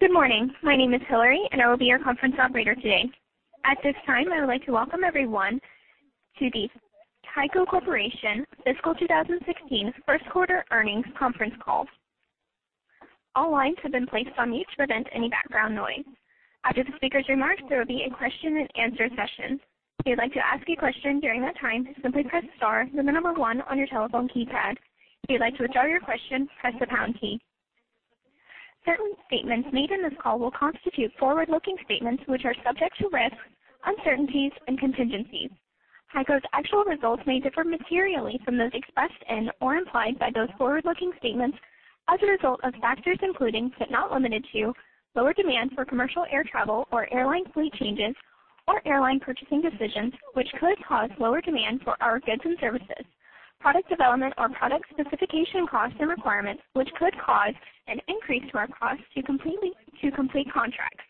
Good morning. My name is Hillary, and I will be your conference operator today. At this time, I would like to welcome everyone to the HEICO Corporation Fiscal 2016 first quarter earnings conference call. All lines have been placed on mute to prevent any background noise. After the speaker's remarks, there will be a question and answer session. If you'd like to ask a question during that time, simply press star then one on your telephone keypad. If you'd like to withdraw your question, press the pound key. Certain statements made in this call will constitute forward-looking statements which are subject to risks, uncertainties, and contingencies. HEICO's actual results may differ materially from those expressed and/or implied by those forward-looking statements as a result of factors including, but not limited to, lower demand for commercial air travel or airline fleet changes or airline purchasing decisions, which could cause lower demand for our goods and services. Product development or product specification costs and requirements, which could cause an increase to our cost to complete contracts.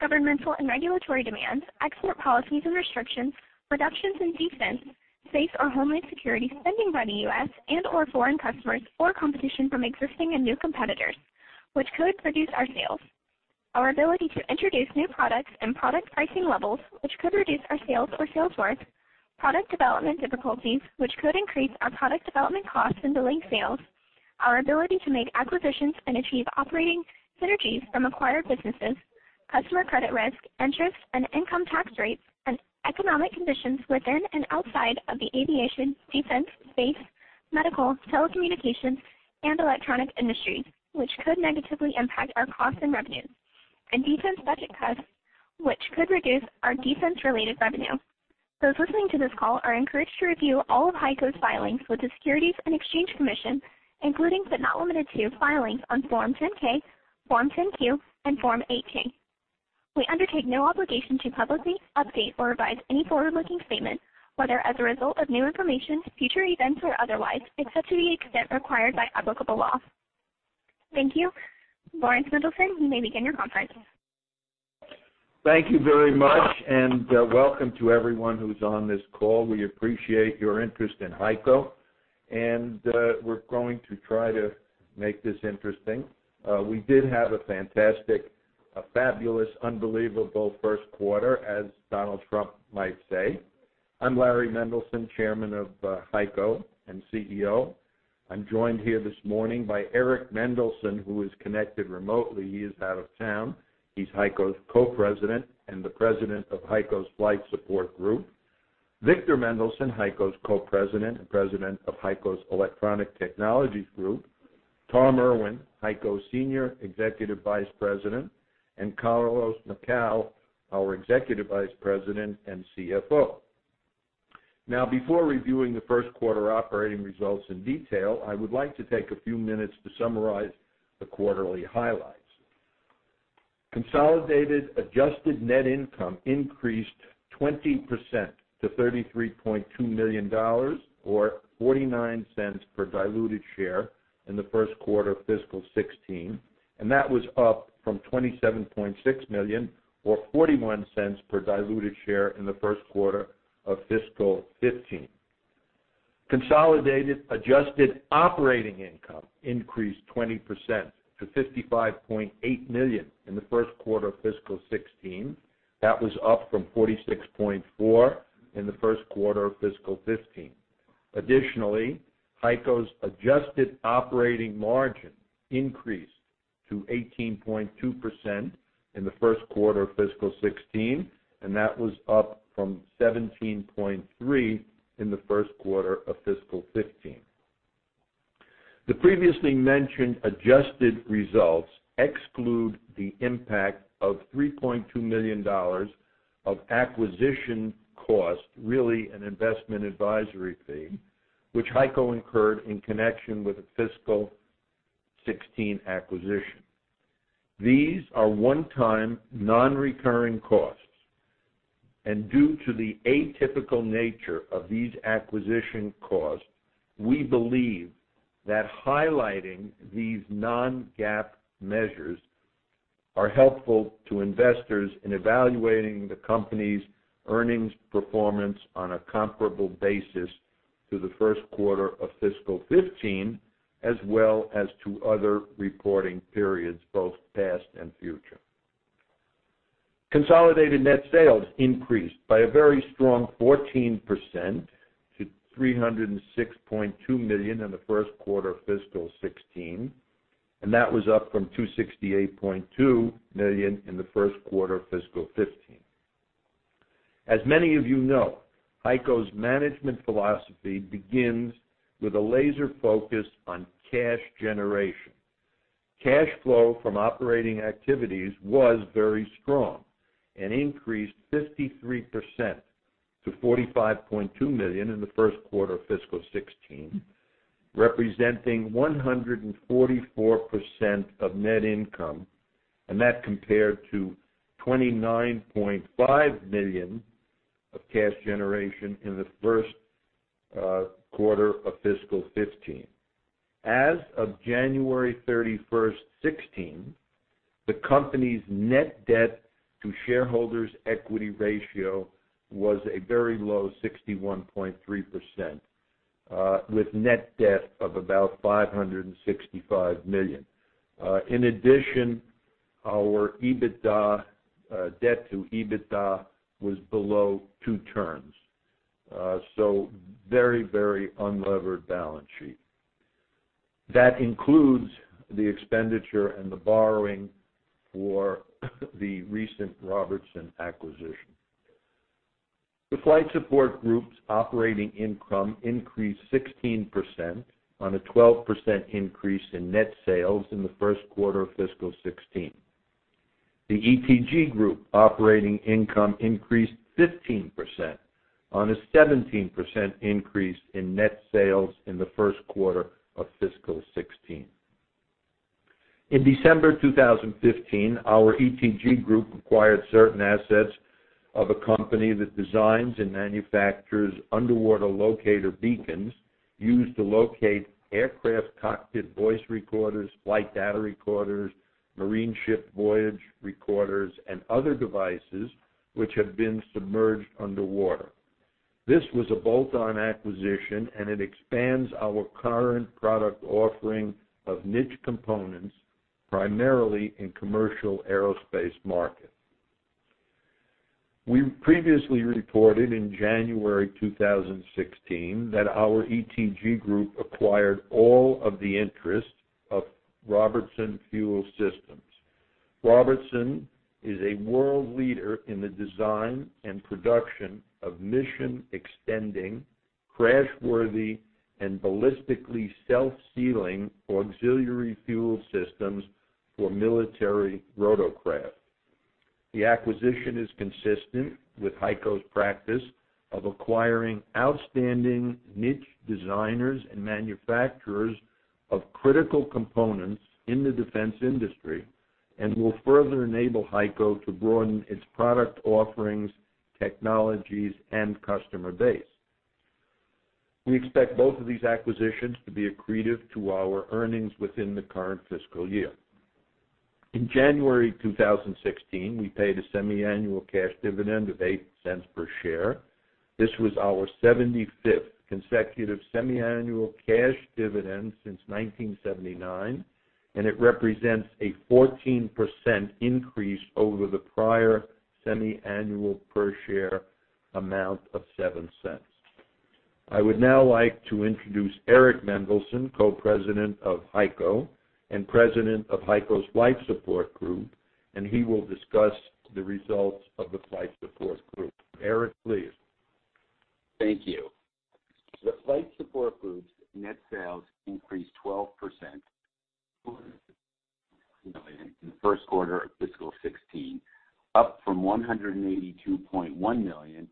Governmental and regulatory demands, export policies and restrictions, reductions in defense, space, or homeland security spending by the U.S. and/or foreign customers, or competition from existing and new competitors, which could reduce our sales. Our ability to introduce new products and product pricing levels, which could reduce our sales or sales growth. Product development difficulties, which could increase our product development costs and delay sales. Our ability to make acquisitions and achieve operating synergies from acquired businesses, customer credit risk, interest and income tax rates, and economic conditions within and outside of the aviation, defense, space, medical, telecommunications, and electronic industries, which could negatively impact our costs and revenues. Defense budget cuts, which could reduce our defense-related revenue. Those listening to this call are encouraged to review all of HEICO's filings with the Securities and Exchange Commission, including but not limited to filings on Form 10-K, Form 10-Q, and Form 8-K. We undertake no obligation to publicly update or revise any forward-looking statement, whether as a result of new information, future events, or otherwise, except to the extent required by applicable law. Thank you. Laurans A. Mendelson, you may begin your conference. Thank you very much. Welcome to everyone who's on this call. We appreciate your interest in HEICO. We're going to try to make this interesting. We did have a fantastic, a fabulous, unbelievable first quarter, as Donald Trump might say. I'm Larry Mendelson, Chairman of HEICO and CEO. I'm joined here this morning by Eric Mendelson, who is connected remotely. He is out of town. He's HEICO's Co-President and the President of HEICO's Flight Support Group. Victor Mendelson, HEICO's Co-President and President of HEICO's Electronic Technologies Group, Tom Irwin, HEICO's Senior Executive Vice President, and Carlos L. Macau, our Executive Vice President and CFO. Now, before reviewing the first quarter operating results in detail, I would like to take a few minutes to summarize the quarterly highlights. Consolidated adjusted net income increased 20% to $33.2 million, or $0.49 per diluted share in the first quarter of fiscal 2016. That was up from $27.6 million or $0.41 per diluted share in the first quarter of fiscal 2015. Consolidated adjusted operating income increased 20% to $55.8 million in the first quarter of fiscal 2016. That was up from $46.4 million in the first quarter of fiscal 2015. Additionally, HEICO's adjusted operating margin increased to 18.2% in the first quarter of fiscal 2016. That was up from 17.3% in the first quarter of fiscal 2015. The previously mentioned adjusted results exclude the impact of $3.2 million of acquisition cost, really an investment advisory fee, which HEICO incurred in connection with the fiscal 2016 acquisition. These are one-time, non-recurring costs. Due to the atypical nature of these acquisition costs, we believe that highlighting these non-GAAP measures are helpful to investors in evaluating the company's earnings performance on a comparable basis to the first quarter of fiscal 2015, as well as to other reporting periods, both past and future. Consolidated net sales increased by a very strong 14% to $306.2 million in the first quarter of fiscal 2016. That was up from $268.2 million in the first quarter of fiscal 2015. As many of you know, HEICO's management philosophy begins with a laser focus on cash generation. Cash flow from operating activities was very strong and increased 53% to $45.2 million in the first quarter of fiscal 2016, representing 144% of net income. That compared to $29.5 million of cash generation in the first quarter of fiscal 2015. As of January 31st, 2016, the company's net debt to shareholders' equity ratio was a very low 61.3%. With net debt of about $565 million. In addition, our debt to EBITDA was below two turns. Very unlevered balance sheet. That includes the expenditure and the borrowing for the recent Robertson acquisition. The Flight Support Group's operating income increased 16% on a 12% increase in net sales in the first quarter of fiscal 2016. The ETG Group operating income increased 15% on a 17% increase in net sales in the first quarter of fiscal 2016. In December 2015, our ETG Group acquired certain assets of a company that designs and manufactures underwater locator beacons used to locate aircraft cockpit voice recorders, flight data recorders, marine ship voyage recorders, and other devices which have been submerged underwater. This was a bolt-on acquisition. It expands our current product offering of niche components, primarily in commercial aerospace markets. We previously reported in January 2016 that our ETG Group acquired all of the interest of Robertson Fuel Systems. Robertson is a world leader in the design and production of mission extending, crash worthy, and ballistically self-sealing auxiliary fuel systems for military rotorcraft. The acquisition is consistent with HEICO's practice of acquiring outstanding niche designers and manufacturers of critical components in the defense industry. It will further enable HEICO to broaden its product offerings, technologies, and customer base. We expect both of these acquisitions to be accretive to our earnings within the current fiscal year. In January 2016, we paid a semiannual cash dividend of $0.08 per share. This was our 75th consecutive semiannual cash dividend since 1979. It represents a 14% increase over the prior semiannual per share amount of $0.07. I would now like to introduce Eric Mendelson, Co-President of HEICO and President of HEICO's Flight Support Group. He will discuss the results of the Flight Support Group. Eric, please. Thank you. The Flight Support Group's net sales increased 12% to $183 million in the first quarter of fiscal 2016, up from $182.1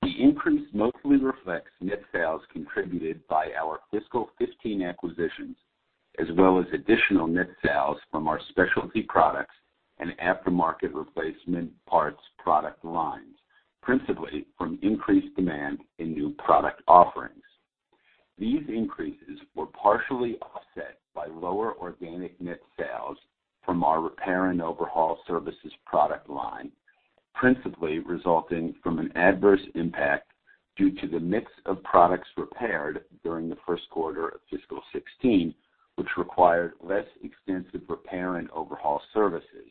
million in the first quarter of fiscal 2015. The increase mostly reflects net sales contributed by our fiscal 2015 acquisitions, as well as additional net sales from our specialty products and aftermarket replacement parts product lines, principally from increased demand in new product offerings. These increases were partially offset by lower organic net sales from our repair and overhaul services product line, principally resulting from an adverse impact due to the mix of products repaired during the first quarter of fiscal 2016, which required less extensive repair and overhaul services,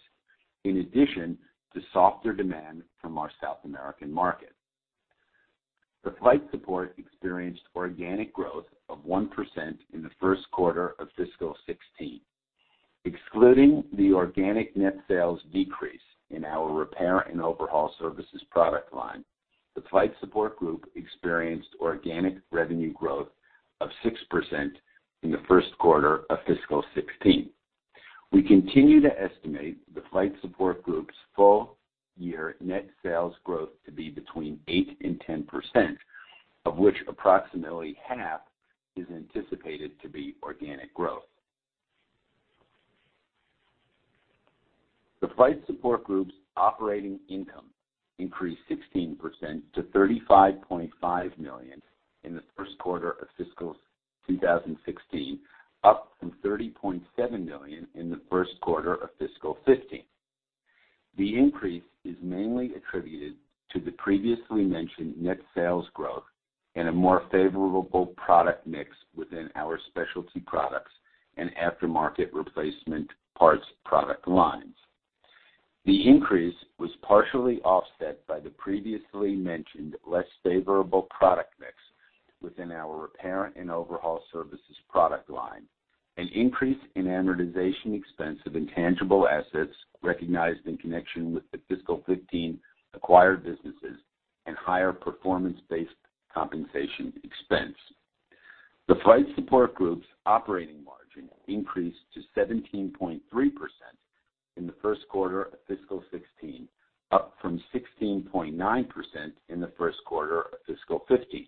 in addition to softer demand from our South American market. The Flight Support Group experienced organic growth of 1% in the first quarter of fiscal 2016. Excluding the organic net sales decrease in our repair and overhaul services product line, the Flight Support Group experienced organic revenue growth of 6% in the first quarter of fiscal 2016. We continue to estimate the Flight Support Group's full year net sales growth to be between 8%-10%, of which approximately half is anticipated to be organic growth. The Flight Support Group's operating income increased 16% to $35.5 million in the first quarter of fiscal 2016, up from $30.7 million in the first quarter of fiscal 2015. The increase is mainly attributed to the previously mentioned net sales growth and a more favorable product mix within our specialty products and aftermarket replacement parts product lines. The increase was partially offset by the previously mentioned less favorable product mix within our repair and overhaul services product line, an increase in amortization expense of intangible assets recognized in connection with the fiscal 2015 acquired businesses, and higher performance-based compensation expense. The Flight Support Group's operating margin increased to 17.3% in the first quarter of fiscal 2016, up from 16.9% in the first quarter of fiscal 2015.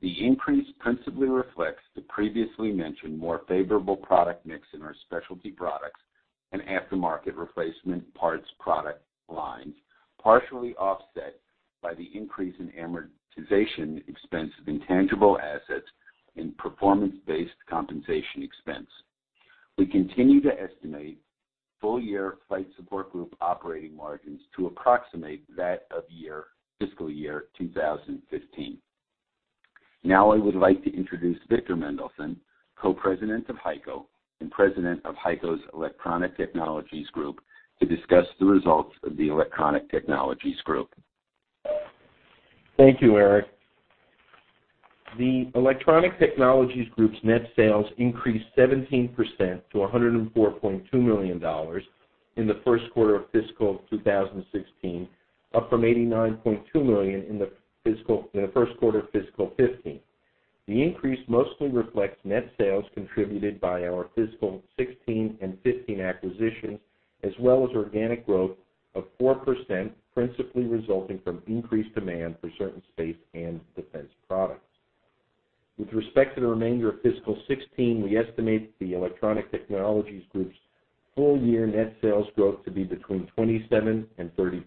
The increase principally reflects the previously mentioned more favorable product mix in our specialty products and aftermarket replacement parts product lines, partially offset by the increase in amortization expense of intangible assets and performance-based compensation expense. We continue to estimate full-year Flight Support Group operating margins to approximate that of fiscal year 2015. I would like to introduce Victor Mendelson, Co-President of HEICO and President of HEICO's Electronic Technologies Group, to discuss the results of the Electronic Technologies Group. Thank you, Eric. The Electronic Technologies Group's net sales increased 17% to $104.2 million in the first quarter of fiscal 2016, up from $89.2 million in the first quarter of fiscal 2015. The increase mostly reflects net sales contributed by our fiscal 2016 and 2015 acquisitions, as well as organic growth of 4%, principally resulting from increased demand for certain space and defense products. With respect to the remainder of fiscal 2016, we estimate the Electronic Technologies Group's full-year net sales growth to be between 27% and 30%.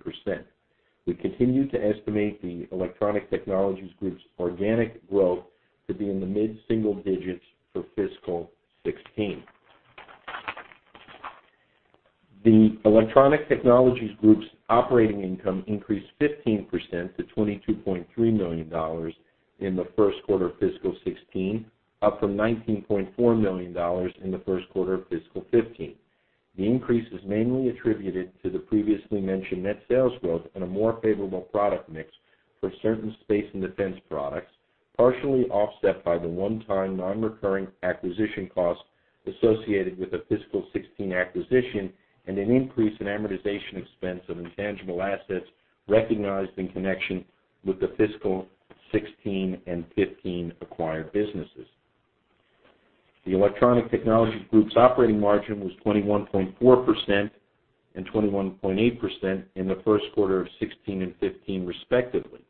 We continue to estimate the Electronic Technologies Group's organic growth to be in the mid-single digits for fiscal 2016. The Electronic Technologies Group's operating income increased 15% to $22.3 million in the first quarter of fiscal 2016, up from $19.4 million in the first quarter of fiscal 2015. The increase is mainly attributed to the previously mentioned net sales growth and a more favorable product mix for certain space and defense products, partially offset by the one-time, non-recurring acquisition costs associated with the fiscal 2016 acquisition and an increase in amortization expense of intangible assets recognized in connection with the fiscal 2016 and 2015 acquired businesses. The Electronic Technologies Group's operating margin was 21.4% and 21.8% in the first quarter of 2016 and 2015, respectively.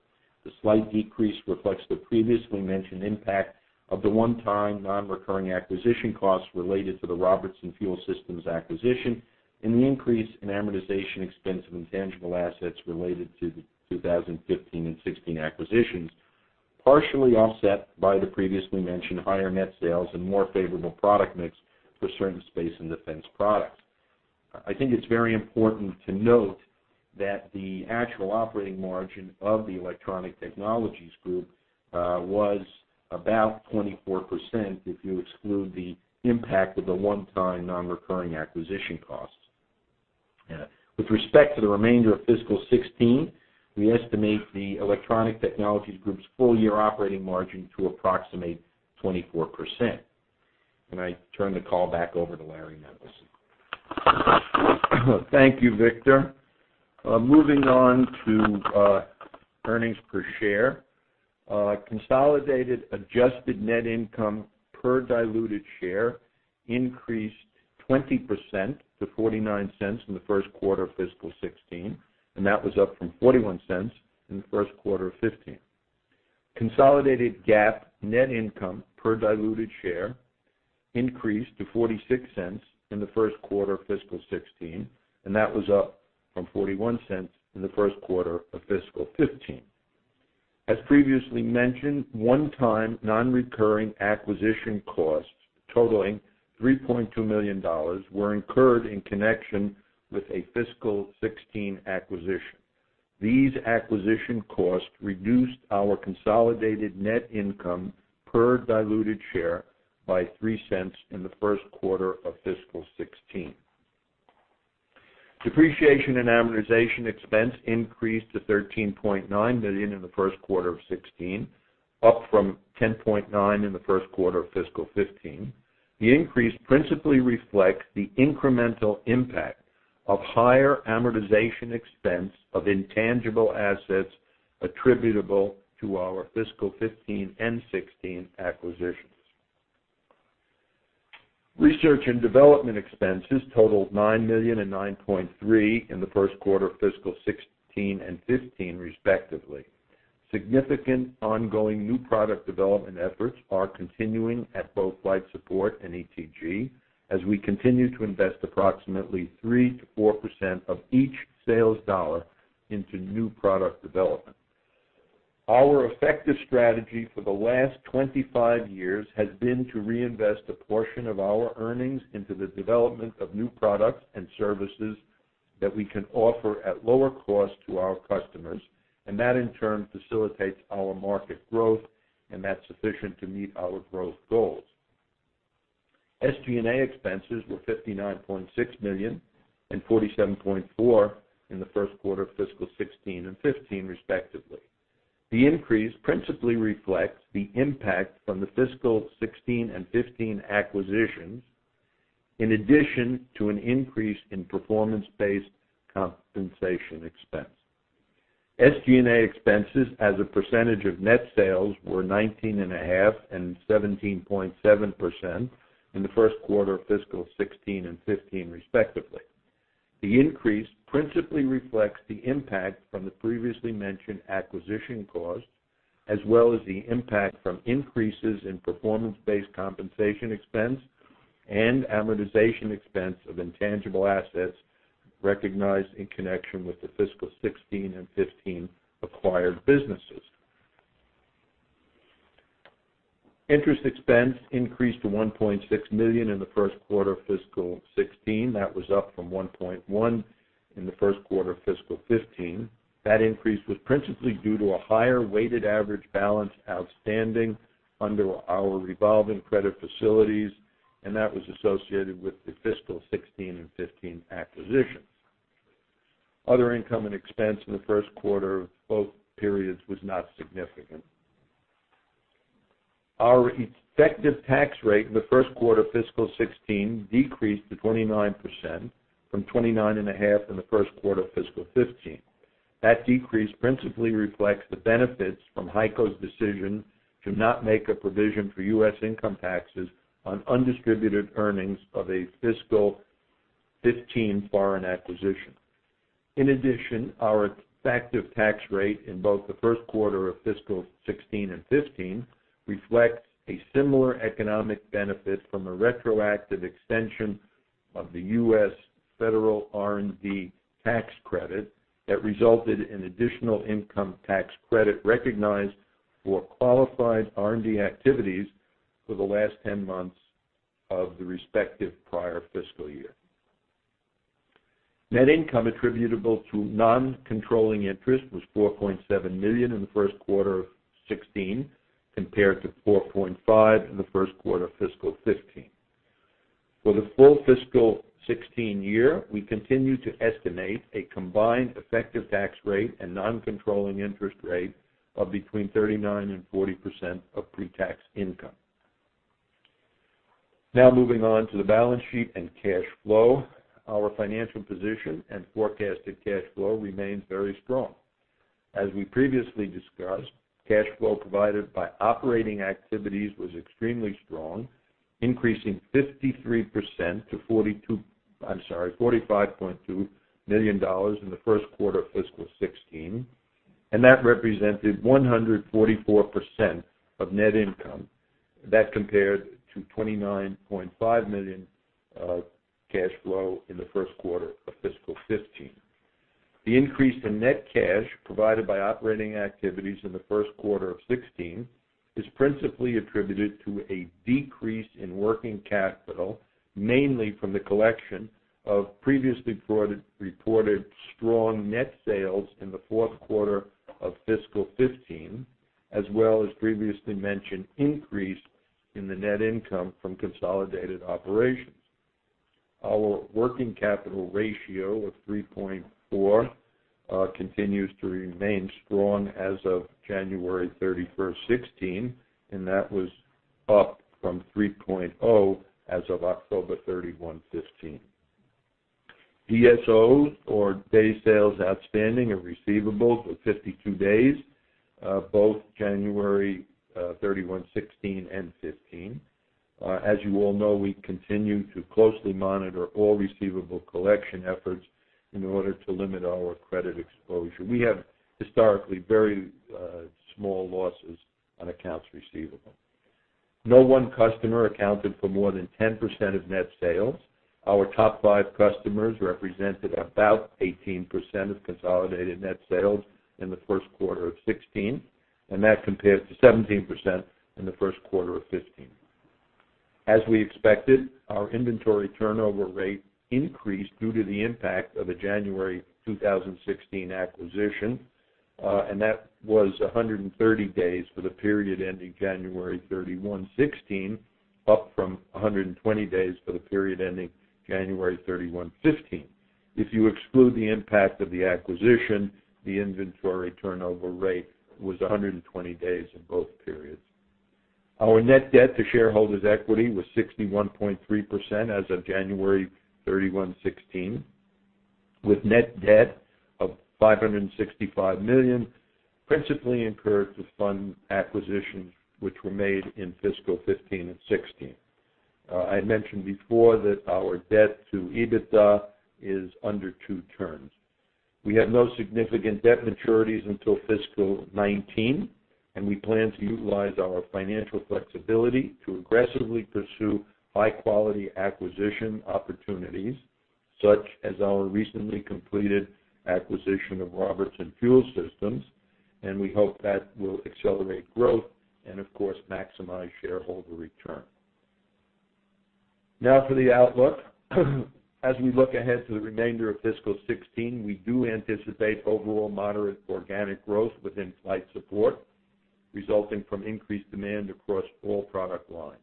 The slight decrease reflects the previously mentioned impact of the one-time, non-recurring acquisition costs related to the Robertson Fuel Systems acquisition and the increase in amortization expense of intangible assets related to the 2015 and 2016 acquisitions, partially offset by the previously mentioned higher net sales and more favorable product mix for certain space and defense products. I think it's very important to note that the actual operating margin of the Electronic Technologies Group was about 24% if you exclude the impact of the one-time, non-recurring acquisition costs. With respect to the remainder of fiscal 2016, we estimate the Electronic Technologies Group's full-year operating margin to approximate 24%. I turn the call back over to Larry Mendelson. Thank you, Victor. Moving on to earnings per share. Consolidated adjusted net income per diluted share increased 20% to $0.49 in the first quarter of fiscal 2016, and that was up from $0.41 in the first quarter of 2015. Consolidated GAAP net income per diluted share increased to $0.46 in the first quarter of fiscal 2016, and that was up from $0.41 in the first quarter of fiscal 2015. As previously mentioned, one-time, non-recurring acquisition costs totaling $3.2 million were incurred in connection with a fiscal 2016 acquisition. These acquisition costs reduced our consolidated net income per diluted share by $0.03 in the first quarter of fiscal 2016. Depreciation and amortization expense increased to $13.9 million in the first quarter of 2016, up from $10.9 million in the first quarter of fiscal 2015. The increase principally reflects the incremental impact of higher amortization expense of intangible assets attributable to our fiscal 2015 and 2016 acquisitions. Research and development expenses totaled $9 million and $9.3 million in the first quarter of fiscal 2016 and 2015, respectively. Significant ongoing new product development efforts are continuing at both Flight Support and ETG as we continue to invest approximately 3%-4% of each sales dollar into new product development. Our effective strategy for the last 25 years has been to reinvest a portion of our earnings into the development of new products and services that we can offer at lower cost to our customers, and that, in turn, facilitates our market growth, and that's sufficient to meet our growth goals. SG&A expenses were $59.6 million and $47.4 million in the first quarter of fiscal 2016 and 2015, respectively. The increase principally reflects the impact from the fiscal 2016 and 2015 acquisitions, in addition to an increase in performance-based compensation expense. SG&A expenses as a percentage of net sales were 19.5% and 17.7% in the first quarter of fiscal 2016 and 2015, respectively. The increase principally reflects the impact from the previously mentioned acquisition costs, as well as the impact from increases in performance-based compensation expense and amortization expense of intangible assets recognized in connection with the fiscal 2016 and 2015 acquired businesses. Interest expense increased to $1.6 million in the first quarter of fiscal 2016. That was up from $1.1 million in the first quarter of fiscal 2015. That increase was principally due to a higher weighted average balance outstanding under our revolving credit facilities, and that was associated with the fiscal 2016 and 2015 acquisitions. Other income and expense in the first quarter of both periods was not significant. Our effective tax rate in the first quarter of fiscal 2016 decreased to 29% from 29.5% in the first quarter of fiscal 2015. That decrease principally reflects the benefits from HEICO's decision to not make a provision for U.S. income taxes on undistributed earnings of a fiscal 2015 foreign acquisition. In addition, our effective tax rate in both the first quarter of fiscal 2016 and 2015 reflects a similar economic benefit from a retroactive extension of the U.S. Federal R&D tax credit that resulted in additional income tax credit recognized for qualified R&D activities for the last 10 months of the respective prior fiscal year. Net income attributable to non-controlling interest was $4.7 million in the first quarter of 2016, compared to $4.5 million in the first quarter of fiscal 2015. For the full fiscal 2016 year, we continue to estimate a combined effective tax rate and non-controlling interest rate of between 39% and 40% of pre-tax income. Moving on to the balance sheet and cash flow. Our financial position and forecasted cash flow remains very strong. As we previously discussed, cash flow provided by operating activities was extremely strong, increasing 53% to $45.2 million in the first quarter of fiscal 2016, and that represented 144% of net income. That compared to $29.5 million of cash flow in the first quarter of fiscal 2015. The increase in net cash provided by operating activities in the first quarter of 2016 is principally attributed to a decrease in working capital, mainly from the collection of previously reported strong net sales in the fourth quarter of fiscal 2015, as well as previously mentioned increase in the net income from consolidated operations. Our working capital ratio of 3.4 continues to remain strong as of January 31, 2016, and that was up from 3.0 as of October 31, 2015. DSOs, or Days Sales Outstanding and receivables, was 52 days, both January 31, 2016 and 2015. As you all know, we continue to closely monitor all receivable collection efforts in order to limit our credit exposure. We have historically very small losses on accounts receivable. No one customer accounted for more than 10% of net sales. Our top five customers represented about 18% of consolidated net sales in the first quarter of 2016, and that compares to 17% in the first quarter of 2015. As we expected, our inventory turnover rate increased due to the impact of the January 2016 acquisition. That was 130 days for the period ending January 31, 2016, up from 120 days for the period ending January 31, 2015. If you exclude the impact of the acquisition, the inventory turnover rate was 120 days in both periods. Our net debt to shareholders' equity was 61.3% as of January 31, 2016, with net debt of $565 million principally incurred to fund acquisitions which were made in fiscal 2015 and 2016. I mentioned before that our debt to EBITDA is under two turns. We have no significant debt maturities until fiscal 2019, and we plan to utilize our financial flexibility to aggressively pursue high-quality acquisition opportunities, such as our recently completed acquisition of Robertson Fuel Systems, and we hope that will accelerate growth and, of course, maximize shareholder return. For the outlook. As we look ahead to the remainder of fiscal 2016, we do anticipate overall moderate organic growth within Flight Support, resulting from increased demand across all product lines.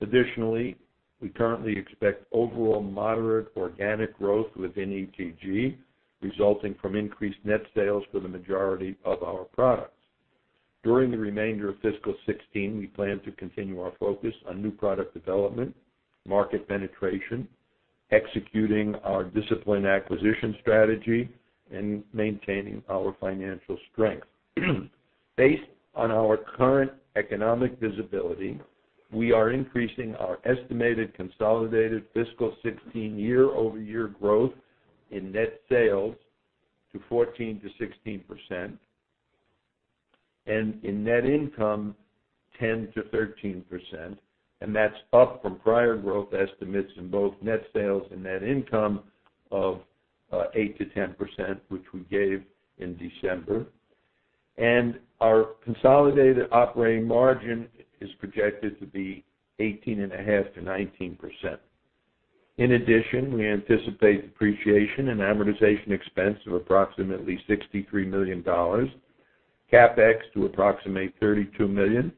Additionally, we currently expect overall moderate organic growth within ETG, resulting from increased net sales for the majority of our products. During the remainder of fiscal 2016, we plan to continue our focus on new product development, market penetration, executing our discipline acquisition strategy, and maintaining our financial strength. Based on our current economic visibility, we are increasing our estimated consolidated fiscal 2016 year-over-year growth in net sales to 14%-16%, and in net income 10%-13%, that's up from prior growth estimates in both net sales and net income of 8%-10%, which we gave in December, and our consolidated operating margin is projected to be 18.5%-19%. In addition, we anticipate Depreciation and Amortization expense of approximately $63 million, CapEx to approximate $32 million,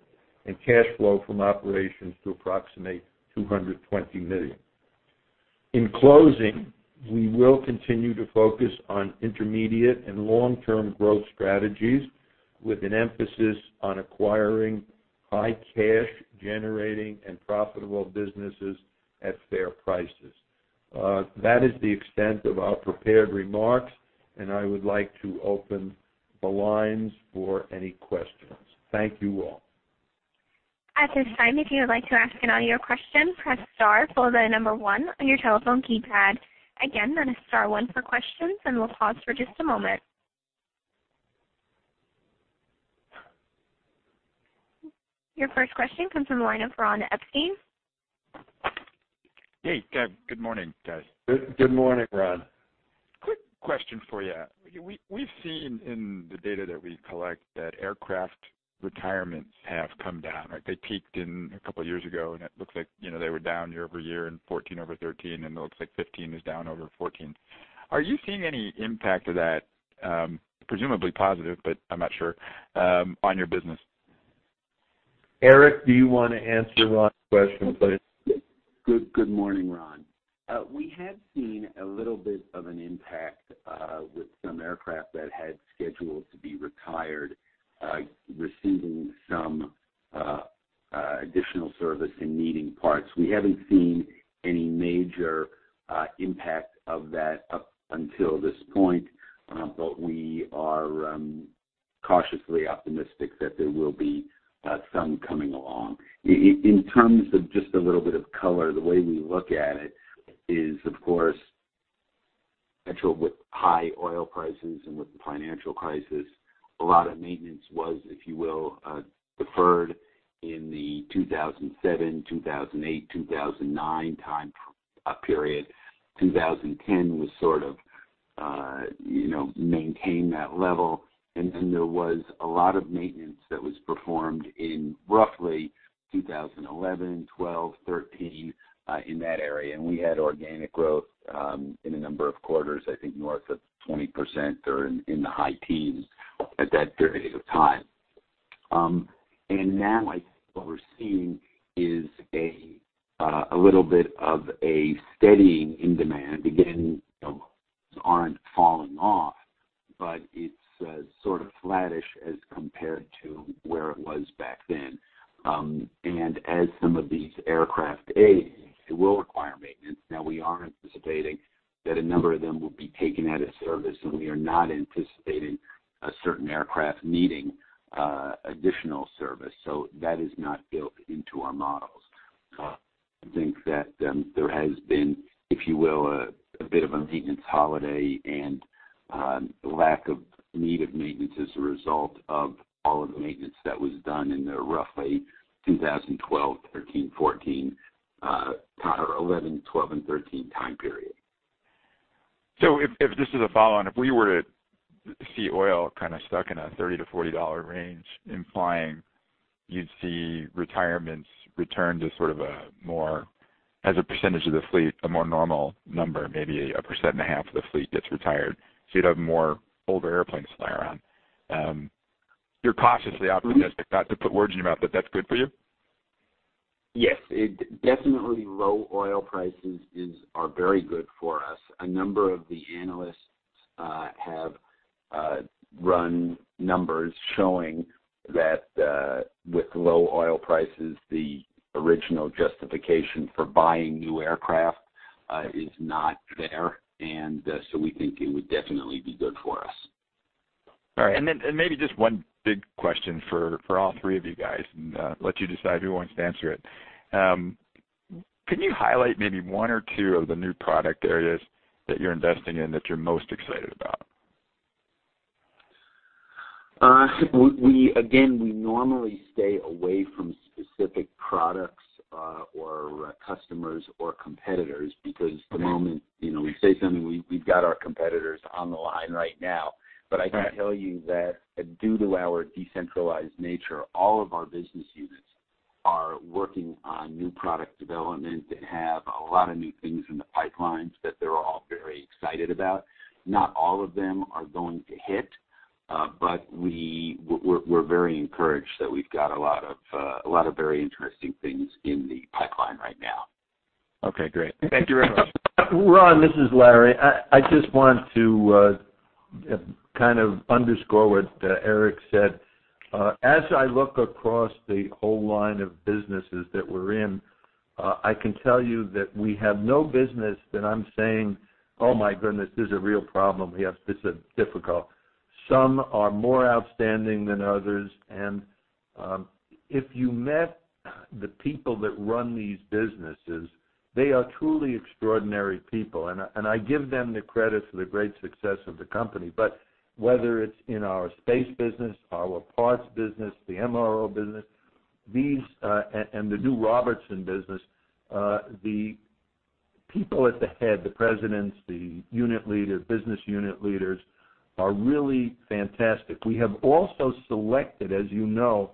and cash flow from operations to approximate $220 million. In closing, we will continue to focus on intermediate and long-term growth strategies with an emphasis on acquiring high cash-generating and profitable businesses at fair prices. That is the extent of our prepared remarks. I would like to open the lines for any questions. Thank you, all. At this time, if you would like to ask an audio question, press star followed by the number 1 on your telephone keypad. Again, that is star one for questions. We'll pause for just a moment. Your first question comes from the line of Ronald Epstein. Hey. Good morning, guys. Good morning, Ron. Quick question for you. We've seen in the data that we collect that aircraft retirements have come down. They peaked a couple of years ago. It looks like they were down year-over-year in 2014 over 2013, and it looks like 2015 is down over 2014. Are you seeing any impact of that, presumably positive, but I'm not sure, on your business? Eric, do you want to answer Ron's question, please? Good morning, Ron. We have seen a little bit of an impact with some aircraft that had scheduled to be retired, receiving some additional service and needing parts. We haven't seen any major impact of that up until this point, but we are cautiously optimistic that there will be some coming along. In terms of just a little bit of color, the way we look at it is, of course, actually with high oil prices and with the financial crisis, a lot of maintenance was, if you will, deferred in the 2007, 2008, 2009 time period. 2010 maintained that level. There was a lot of maintenance that was performed in roughly 2011, 2012, 2013, in that area. We had organic growth in a number of quarters, I think north of 20% or in the high teens at that period of time. Now what we're seeing is a little bit of a steadying in demand. Again, things aren't falling off, but it's sort of flattish as compared to where it was back then. As some of these aircraft age, it will require maintenance. Now we are anticipating that a number of them will be taken out of service, and we are not anticipating a certain aircraft needing additional service. That is not built into our models. I think that there has been, if you will, a bit of a maintenance holiday and a lack of needed maintenance as a result of all of the maintenance that was done in the roughly 2012, 2013, 2014, 2011, 2012, and 2013 time period. Just as a follow-on, if we were to see oil kind of stuck in a $30-$40 range, implying you'd see retirements return to sort of, as a percentage of the fleet, a more normal number, maybe 1.5% of the fleet gets retired, so you'd have more older airplanes flying around. You're cautiously optimistic. Not to put words in your mouth, but that's good for you? Yes. Definitely low oil prices are very good for us. A number of the analysts have run numbers showing that with low oil prices, the original justification for buying new aircraft is not there, we think it would definitely be good for us. All right. Maybe just one big question for all three of you guys, and I'll let you decide who wants to answer it. Can you highlight maybe one or two of the new product areas that you're investing in that you're most excited about? Again, we normally stay away from specific products or customers or competitors because the moment we say something, we've got our competitors on the line right now. I can tell you that due to our decentralized nature, all of our business units are working on new product development and have a lot of new things in the pipeline that they're all very excited about. Not all of them are going to hit, but we're very encouraged that we've got a lot of very interesting things in the pipeline right now. Okay, great. Thank you very much. Ron, this is Larry. I just want to kind of underscore what Eric said. As I look across the whole line of businesses that we're in, I can tell you that we have no business that I'm saying, "Oh my goodness, this is a real problem we have. This is difficult." Some are more outstanding than others, and if you met the people that run these businesses, they are truly extraordinary people, and I give them the credit for the great success of the company. Whether it's in our space business, our parts business, the MRO business These, and the new Robertson business, the people at the head, the presidents, the unit leaders, business unit leaders, are really fantastic. We have also selected, as you know,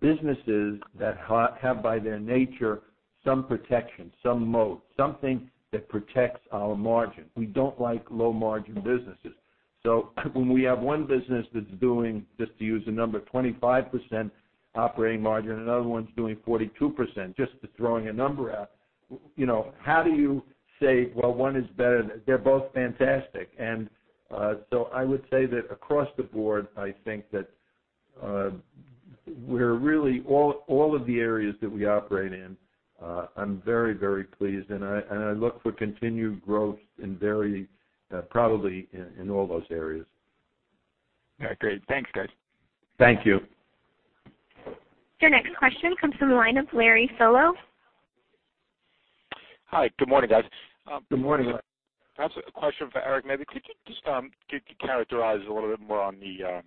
businesses that have by their nature, some protection, some moat, something that protects our margin. We don't like low-margin businesses. When we have one business that's doing, just to use a number, 25% operating margin, another one's doing 42%, just throwing a number out. How do you say, well, one is better than They're both fantastic. I would say that across the board, I think that we're really, all of the areas that we operate in, I'm very, very pleased, and I look for continued growth probably in all those areas. All right, great. Thanks, guys. Thank you. Your next question comes from the line of Larry Solow. Hi. Good morning, guys. Good morning, Larry. Perhaps a question for Eric, maybe. Could you just characterize a little bit more on the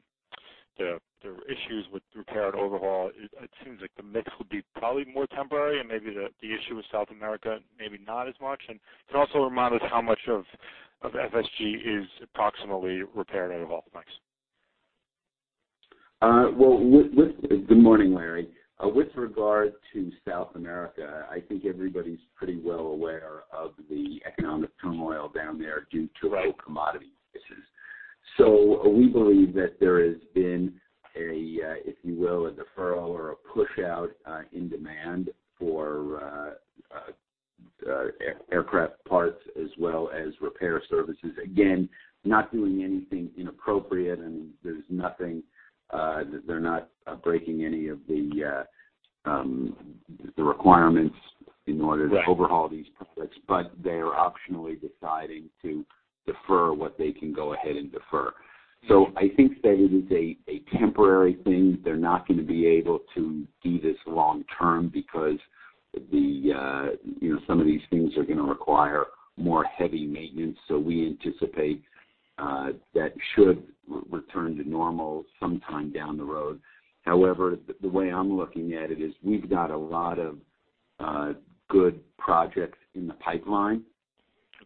issues with repair and overhaul? It seems like the mix will be probably more temporary and maybe the issue with South America, maybe not as much. Can you also remind us how much of FSG is approximately repair and overhaul parts? Good morning, Larry. With regard to South America, I think everybody's pretty well aware of the economic turmoil down there due to low commodity prices. We believe that there has been a, if you will, a deferral or a push-out in demand for aircraft parts as well as repair services. Again, not doing anything inappropriate, and they're not breaking any of the requirements in order to overhaul these products, but they are optionally deciding to defer what they can go ahead and defer. I think that it is a temporary thing. They're not going to be able to do this long term because some of these things are going to require more heavy maintenance. We anticipate that should return to normal sometime down the road. However, the way I'm looking at it is we've got a lot of good projects in the pipeline.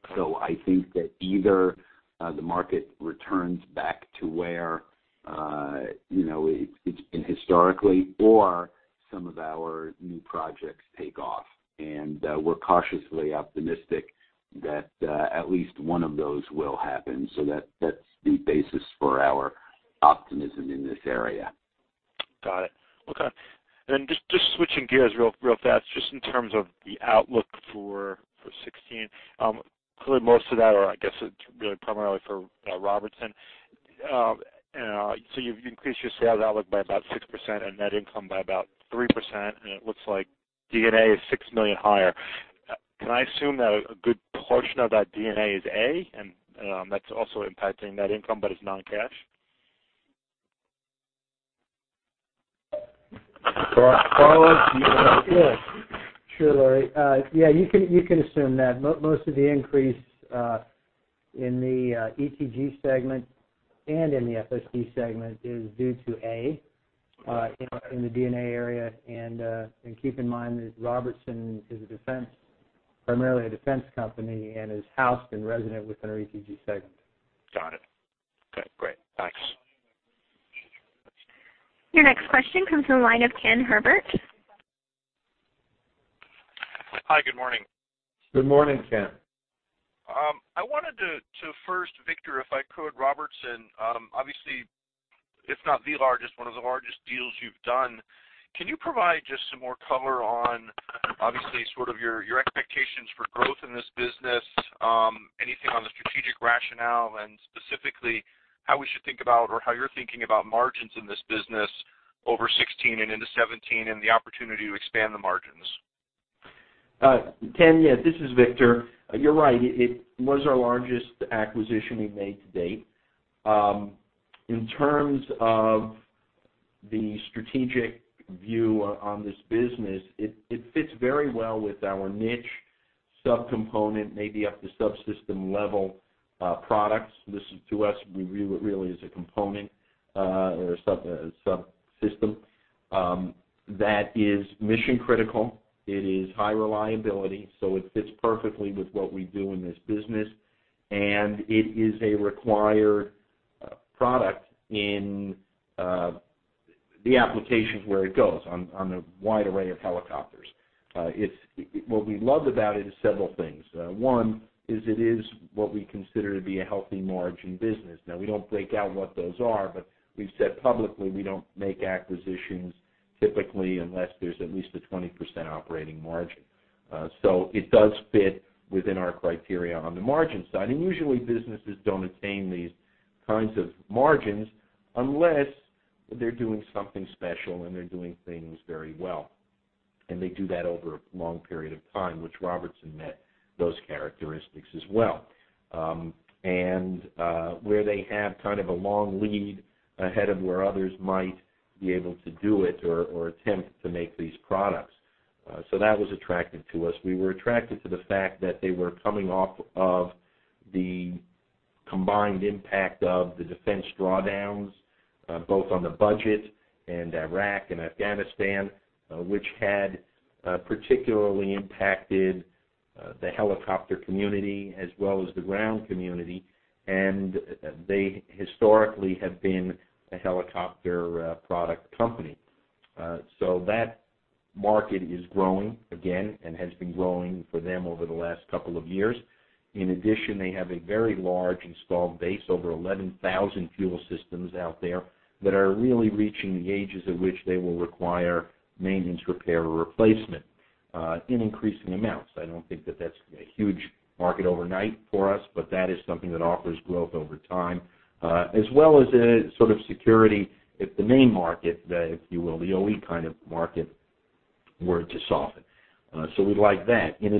I think that either the market returns back to where it's been historically or some of our new projects take off, and we're cautiously optimistic that at least one of those will happen. That's the basis for our optimism in this area. Got it. Okay. Just switching gears real fast, just in terms of the outlook for 2016. Clearly, most of that, or I guess it's really primarily for Robertson. You've increased your sales outlook by about 6% and net income by about 3%, and it looks like D&A is $6 million higher. Can I assume that a good portion of that D&A is A, and that's also impacting net income, but it's non-cash? Carlos or Steve? Yeah. Sure, Larry. Yeah, you can assume that. Most of the increase in the ETG segment and in the FSG segment is due to A in the D&A area. Keep in mind that Robertson is primarily a defense company and is housed and resident within our ETG segment. Got it. Okay, great. Thanks. Your next question comes from the line of Ken Herbert. Hi. Good morning. Good morning, Ken. I wanted to first, Victor, if I could, Robertson, obviously, if not the largest, one of the largest deals you've done. Can you provide just some more color on, obviously, sort of your expectations for growth in this business? Anything on the strategic rationale, and specifically, how we should think about or how you're thinking about margins in this business over 2016 and into 2017 and the opportunity to expand the margins? Ken, yeah, this is Victor. You're right. It was our largest acquisition we've made to date. In terms of the strategic view on this business, it fits very well with our niche sub-component, maybe up to subsystem level products. This is to us, we view it really as a component or a subsystem that is mission critical. It is high reliability, so it fits perfectly with what we do in this business, and it is a required product in the applications where it goes, on a wide array of helicopters. What we love about it is several things. One is it is what we consider to be a healthy margin business. Now, we don't break out what those are, but we've said publicly, we don't make acquisitions typically unless there's at least a 20% operating margin. It does fit within our criteria on the margin side, usually businesses don't attain these kinds of margins unless they're doing something special and they're doing things very well. They do that over a long period of time, which Robertson met those characteristics as well. Where they have kind of a long lead ahead of where others might be able to do it or attempt to make these products. That was attractive to us. We were attracted to the fact that they were coming off of the combined impact of the defense drawdowns, both on the budget and Iraq and Afghanistan, which had particularly impacted the helicopter community as well as the ground community, they historically have been a helicopter product company. That market is growing again and has been growing for them over the last couple of years. In addition, they have a very large installed base, over 11,000 fuel systems out there, that are really reaching the ages at which they will require maintenance, repair, or replacement in increasing amounts. I don't think that that's going to be a huge market overnight for us, but that is something that offers growth over time, as well as a sort of security if the main market, if you will, the OE kind of market, were to soften. We like that. In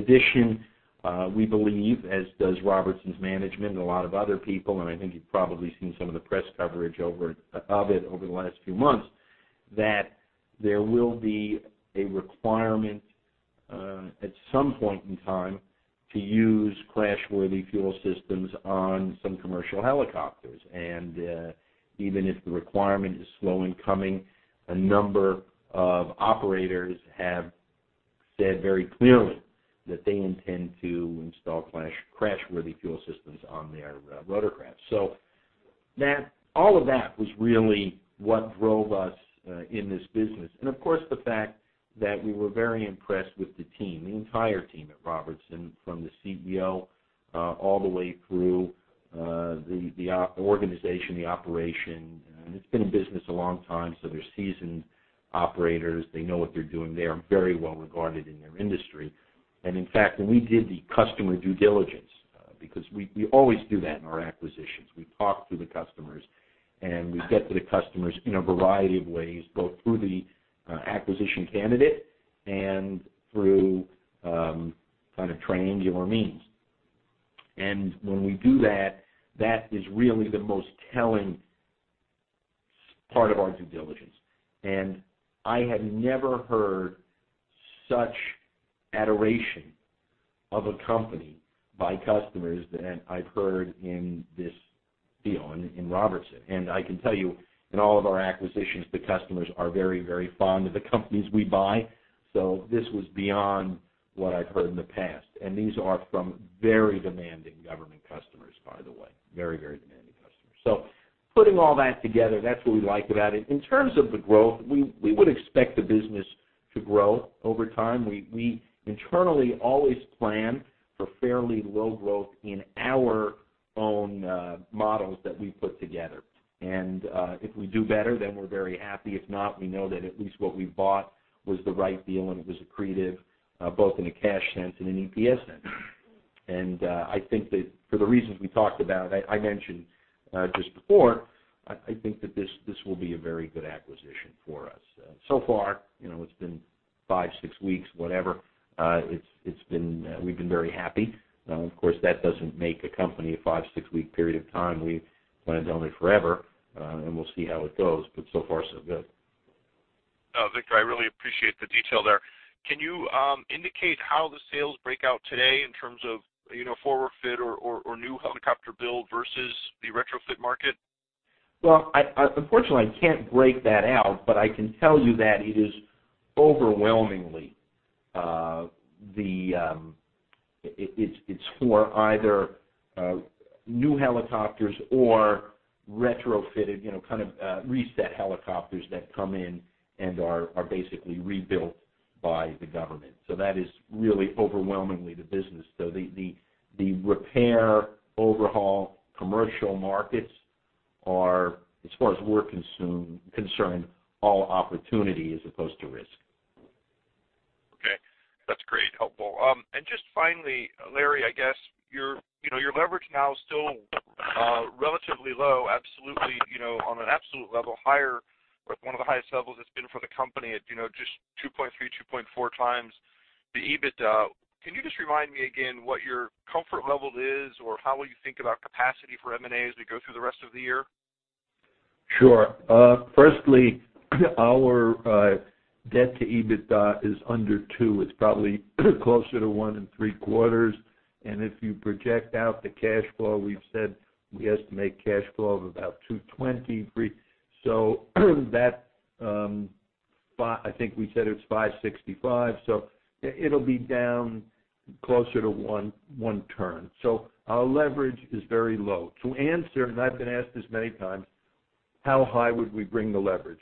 addition, we believe, as does Robertson's management and a lot of other people, I think you've probably seen some of the press coverage of it over the last few months, that there will be a requirement, at some point in time, to use crash-worthy fuel systems on some commercial helicopters. Even if the requirement is slow in coming, a number of operators have said very clearly that they intend to install crash-worthy fuel systems on their rotorcraft. All of that was really what drove us in this business. Of course, the fact that we were very impressed with the team, the entire team at Robertson, from the CEO all the way through the organization, the operation. It's been in business a long time, so they're seasoned operators. They know what they're doing. They are very well-regarded in their industry. In fact, when we did the customer due diligence, because we always do that in our acquisitions. We talk to the customers, and we get to the customers in a variety of ways, both through the acquisition candidate and through kind of triangular means. When we do that is really the most telling part of our due diligence. I have never heard such adoration of a company by customers than I've heard in this deal, in Robertson. I can tell you, in all of our acquisitions, the customers are very, very fond of the companies we buy. This was beyond what I've heard in the past. These are from very demanding government customers, by the way. Very demanding customers. Putting all that together, that's what we like about it. In terms of the growth, we would expect the business to grow over time. We internally always plan for fairly low growth in our own models that we put together. If we do better, then we're very happy. If not, we know that at least what we bought was the right deal, and it was accretive both in a cash sense and an EPS sense. I think that for the reasons we talked about, I mentioned just before, I think that this will be a very good acquisition for us. So far, it's been five, six weeks, whatever, we've been very happy. Of course, that doesn't make a company, a five, six-week period of time. We plan to own it forever, we'll see how it goes, but so far so good. Victor, I really appreciate the detail there. Can you indicate how the sales break out today in terms of forward fit or new helicopter build versus the retrofit market? Unfortunately, I can't break that out, but I can tell you that it is overwhelmingly, it's for either new helicopters or retrofitted, kind of reset helicopters that come in and are basically rebuilt by the government. That is really overwhelmingly the business. The repair overhaul commercial markets are, as far as we're concerned, all opportunity as opposed to risk. Okay. That's great, helpful. Just finally, Larry, I guess your leverage now is still relatively low. On an absolute level, one of the highest levels it's been for the company at just 2.3, 2.4 times the EBITDA. Can you just remind me again what your comfort level is or how you think about capacity for M&A as we go through the rest of the year? Our debt to EBITDA is under 2. It's probably closer to one and three quarters. If you project out the cash flow, we've said we estimate cash flow of about $223 million. That, I think we said it's $565 million, so it'll be down closer to 1 turn. Our leverage is very low. To answer, I've been asked this many times, how high would we bring the leverage?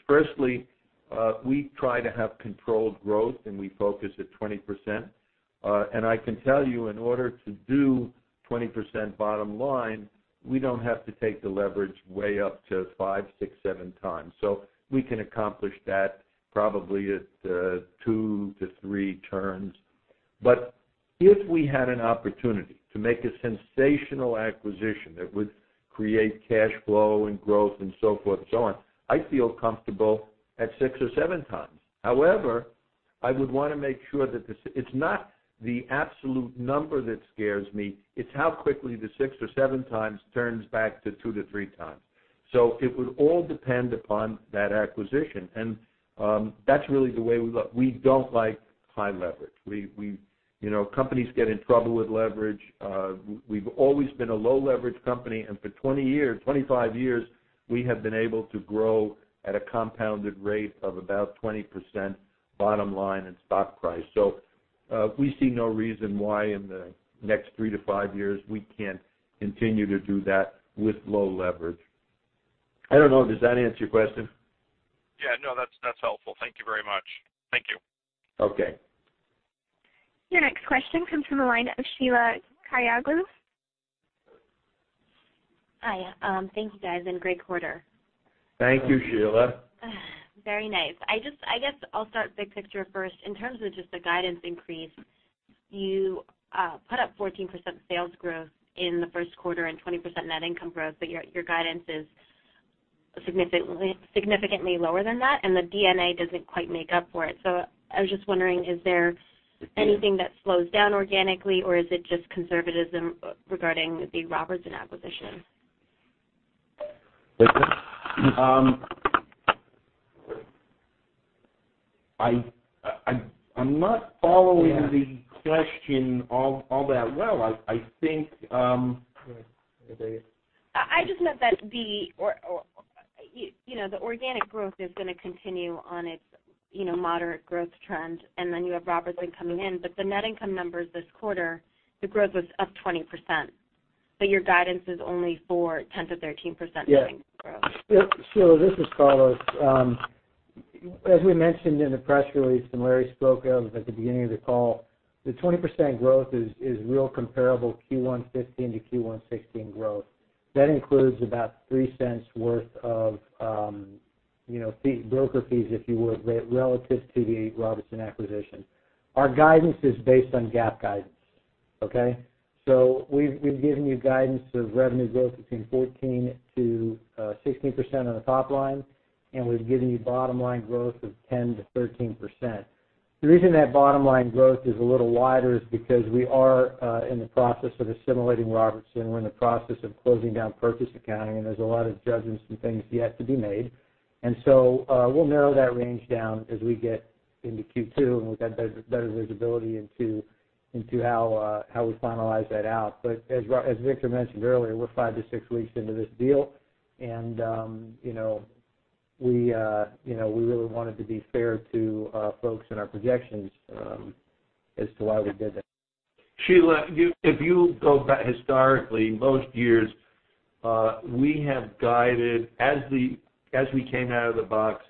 We try to have controlled growth, and we focus at 20%. I can tell you, in order to do 20% bottom line, we don't have to take the leverage way up to 5, 6, 7 times. We can accomplish that probably at 2 to 3 turns. If we had an opportunity to make a sensational acquisition that would create cash flow and growth and so forth and so on, I'd feel comfortable at 6 or 7 times. However, I would want to make sure that it's not the absolute number that scares me. It's how quickly the 6 or 7 times turns back to 2 to 3 times. It would all depend upon that acquisition. That's really the way we look. We don't like high leverage. Companies get in trouble with leverage. We've always been a low-leverage company, and for 25 years, we have been able to grow at a compounded rate of about 20% bottom line in stock price. We see no reason why in the next 3 to 5 years we can't continue to do that with low leverage. I don't know, does that answer your question? Yeah, no, that's helpful. Thank you very much. Thank you. Okay. Your next question comes from the line of Sheila Kahyaoglu. Hi. Thank you, guys, and great quarter. Thank you, Sheila. Very nice. I guess I'll start big picture first. In terms of just the guidance increase, you put up 14% sales growth in the first quarter and 20% net income growth, but your guidance is significantly lower than that, and the D&A doesn't quite make up for it. I was just wondering, is there anything that slows down organically, or is it just conservatism regarding the Robertson acquisition? Victor? I'm not following the question all that well. I think. I just meant that the organic growth is going to continue on its moderate growth trend. Then you have Robertson coming in, but the net income numbers this quarter, the growth was up 20%, but your guidance is only for 10%-13% net income growth. Yes. Sheila, this is Carlos. As we mentioned in the press release, and Larry spoke of at the beginning of the call, the 20% growth is real comparable Q1 2015 to Q1 2016 growth. That includes about $0.03 worth of broker fees, if you would, relative to the Robertson acquisition. Our guidance is based on GAAP guidance. Okay? We've given you guidance of revenue growth between 14%-16% on the top line, and we've given you bottom-line growth of 10%-13%. The reason that bottom-line growth is a little wider is because we are in the process of assimilating Robertson. We're in the process of closing down purchase accounting, and there's a lot of judgments and things yet to be made. We'll narrow that range down as we get into Q2, and we've got better visibility into how we finalize that out. As Victor mentioned earlier, we're five to six weeks into this deal, and we really wanted to be fair to folks in our projections as to why we did that. Sheila, if you go back historically, most years, we have guided, as we came out of the box,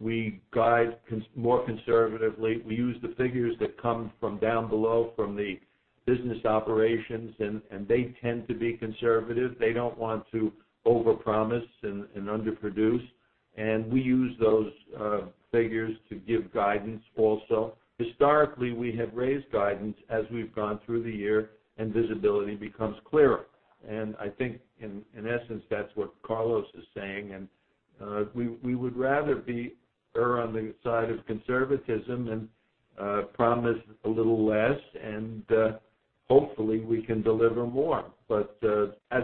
we guide more conservatively. We use the figures that come from down below from the business operations, and they tend to be conservative. They don't want to overpromise and underproduce. We use those figures to give guidance also. Historically, we have raised guidance as we've gone through the year and visibility becomes clearer. I think in essence, that's what Carlos is saying, and we would rather err on the side of conservatism and promise a little less, and hopefully we can deliver more. As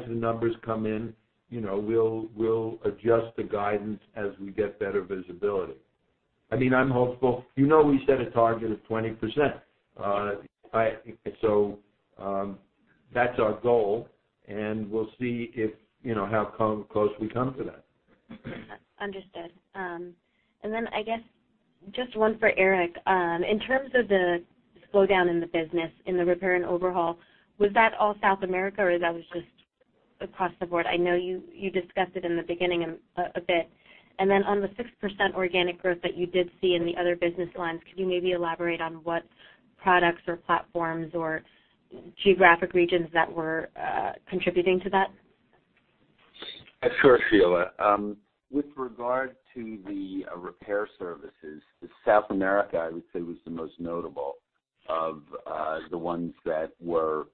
the numbers come in, we'll adjust the guidance as we get better visibility. I'm hopeful. You know we set a target of 20%. That's our goal, and we'll see how close we come to that. Understood. I guess just one for Eric. In terms of the slowdown in the business, in the repair and overhaul, was that all South America, or that was just across the board? I know you discussed it in the beginning a bit. On the 6% organic growth that you did see in the other business lines, could you maybe elaborate on what products or platforms or geographic regions that were contributing to that? Sure, Sheila. With regard to the repair services, the South America, I would say, was the most notable of the ones that were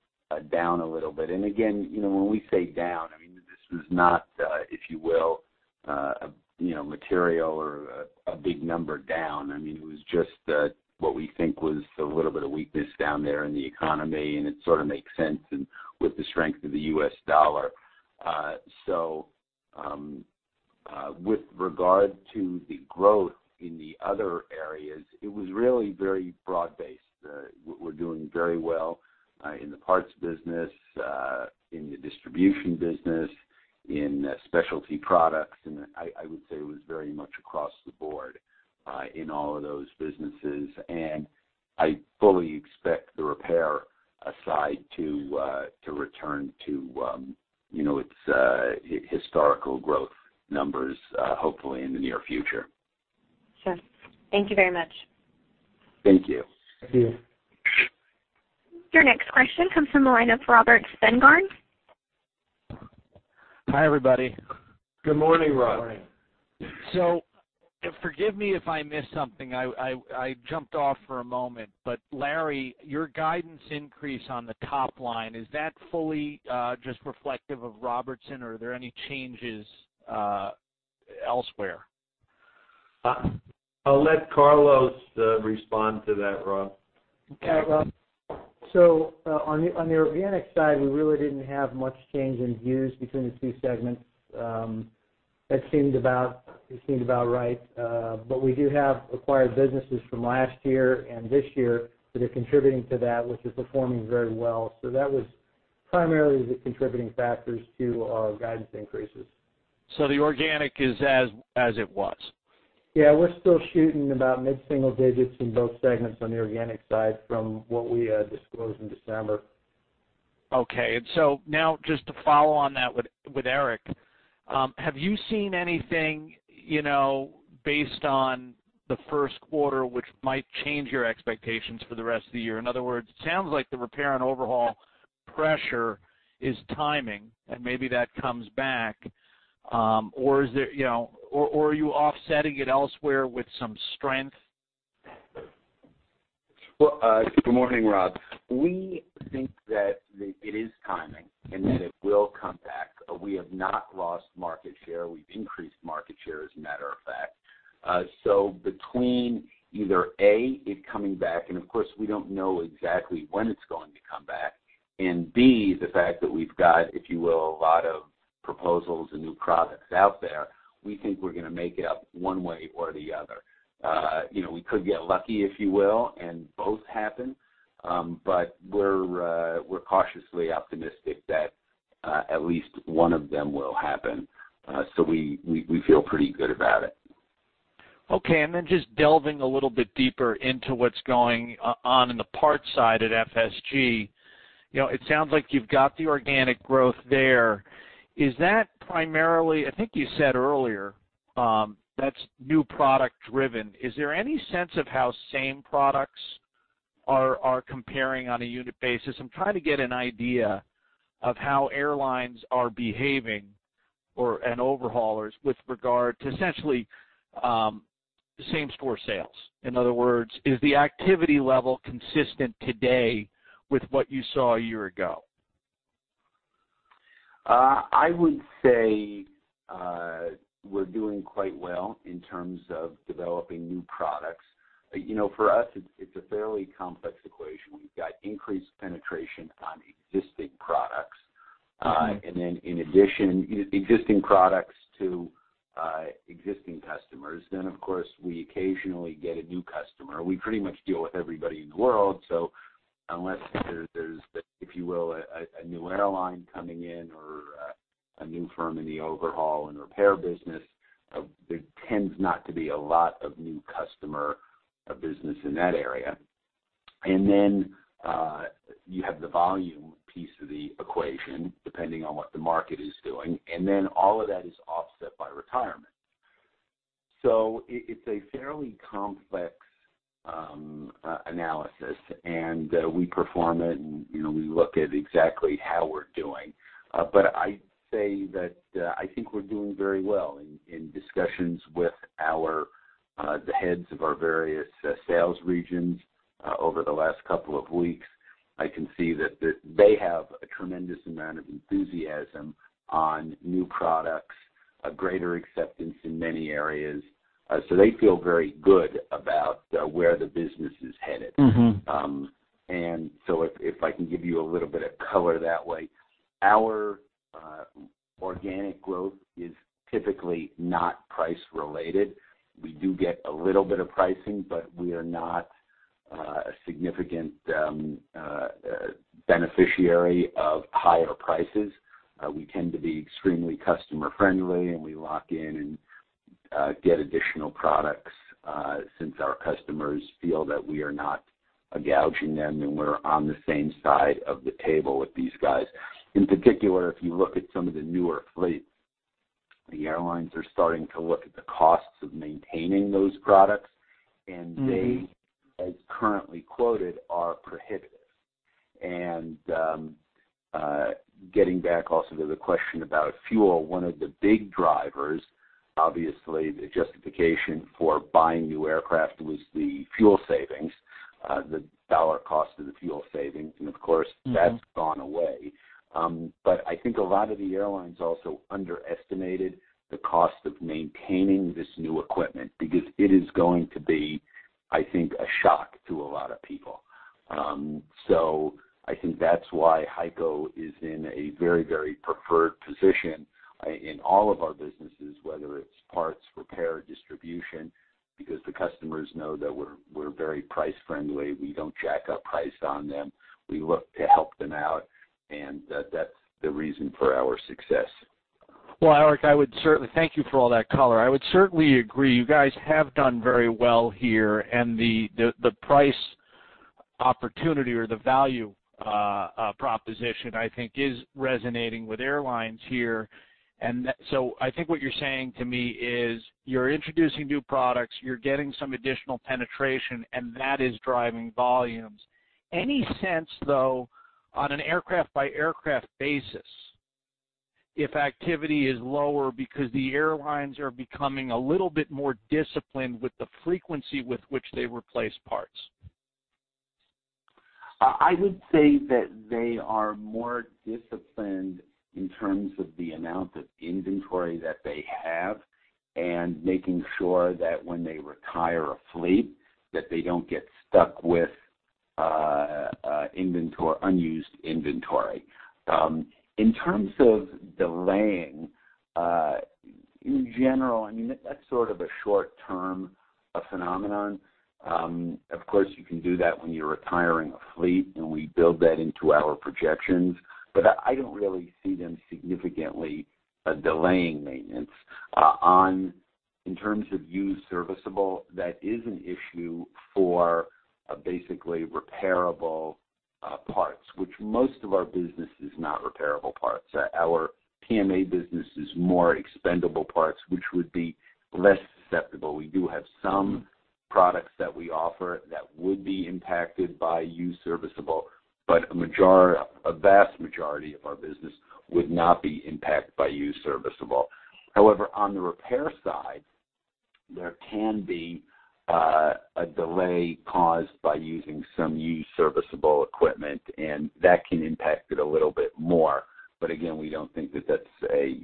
down a little bit. Again, when we say down, this was not, if you will, material or a big number down. It was just what we think was a little bit of weakness down there in the economy, and it sort of makes sense with the strength of the US dollar. With regard to the growth in the other areas, it was really very broad-based. We're doing very well in the parts business, in the distribution business, in specialty products, and I would say it was very much across the board in all of those businesses. I fully expect the repair side to return to its historical growth numbers, hopefully in the near future. Sure. Thank you very much. Thank you. Thank you. Your next question comes from the line of Robert Spingarn. Hi, everybody. Good morning, Rob. Morning. Forgive me if I missed something. I jumped off for a moment. Larry, your guidance increase on the top line, is that fully just reflective of Robertson, or are there any changes elsewhere? I will let Carlos respond to that, Rob. Okay, Rob. On the organic side, we really didn't have much change in views between the two segments. It seemed about right. We do have acquired businesses from last year and this year that are contributing to that, which is performing very well. That was primarily the contributing factors to our guidance increases. The organic is as it was? Yeah, we're still shooting about mid-single digits in both segments on the organic side from what we had disclosed in December. Now just to follow on that with Eric, have you seen anything based on the first quarter which might change your expectations for the rest of the year? In other words, it sounds like the repair and overhaul pressure is timing, and maybe that comes back. Are you offsetting it elsewhere with some strength? Well, good morning, Rob. We think that it is timing, that it will come back. We have not lost market share. We've increased market share, as a matter of fact. Between either, A, it coming back, and of course, we don't know exactly when it's going to come back, and B, the fact that we've got, if you will, a lot of proposals and new products out there, we think we're going to make it up one way or the other. We could get lucky, if you will, and both happen. We're cautiously optimistic that at least one of them will happen. We feel pretty good about it. Just delving a little bit deeper into what's going on in the parts side at FSG. It sounds like you've got the organic growth there. Is that primarily, I think you said earlier, that's new product driven. Is there any sense of how same products are comparing on a unit basis? I'm trying to get an idea of how airlines are behaving or overhaulers with regard to essentially same-store sales. In other words, is the activity level consistent today with what you saw a year ago? I would say we're doing quite well in terms of developing new products. For us, it's a fairly complex equation. We've got increased penetration on existing products. In addition, existing products to existing customers. Of course, we occasionally get a new customer. We pretty much deal with everybody in the world. Unless there's, if you will, a new airline coming in or a new firm in the overhaul and repair business, there tends not to be a lot of new customer business in that area. You have the volume piece of the equation, depending on what the market is doing. All of that is offset by retirement. It's a fairly complex analysis, and we perform it, and we look at exactly how we're doing. I'd say that I think we're doing very well in discussions with the heads of our various sales regions over the last couple of weeks. I can see that they have a tremendous amount of enthusiasm on new products, a greater acceptance in many areas. They feel very good about where the business is headed. If I can give you a little bit of color that way. Our organic growth is typically not price related. We do get a little bit of pricing, but we are not a significant beneficiary of higher prices. We tend to be extremely customer friendly, and we lock in and get additional products since our customers feel that we are not gouging them, and we're on the same side of the table with these guys. In particular, if you look at some of the newer fleets, the airlines are starting to look at the costs of maintaining those products. as currently quoted, are prohibitive. Getting back also to the question about fuel, one of the big drivers, obviously, the justification for buying new aircraft was the fuel savings, the dollar cost of the fuel savings. that's gone away. I think a lot of the airlines also underestimated the cost of maintaining this new equipment because it is going to be, I think, a shock to a lot of people. I think that's why HEICO is in a very, very preferred position in all of our businesses, whether it's parts, repair, distribution, because the customers know that we're very price friendly. We don't jack up price on them. We look to help them out, and that's the reason for our success. Well, Eric, thank you for all that color. I would certainly agree. You guys have done very well here, and the price opportunity or the value proposition, I think, is resonating with airlines here. I think what you're saying to me is you're introducing new products, you're getting some additional penetration, and that is driving volumes. Any sense, though, on an aircraft by aircraft basis, if activity is lower because the airlines are becoming a little bit more disciplined with the frequency with which they replace parts? I would say that they are more disciplined in terms of the amount of inventory that they have, and making sure that when they retire a fleet, that they don't get stuck with unused inventory. In terms of delaying, in general, that's sort of a short-term phenomenon. Of course, you can do that when you're retiring a fleet, and we build that into our projections, but I don't really see them significantly delaying maintenance. In terms of use serviceable, that is an issue for basically repairable parts, which most of our business is not repairable parts. Our PMA business is more expendable parts, which would be less susceptible. We do have some products that we offer that would be impacted by use serviceable, but a vast majority of our business would not be impacted by use serviceable. On the repair side, there can be a delay caused by using some use serviceable equipment, and that can impact it a little bit more. Again, we don't think that that's a,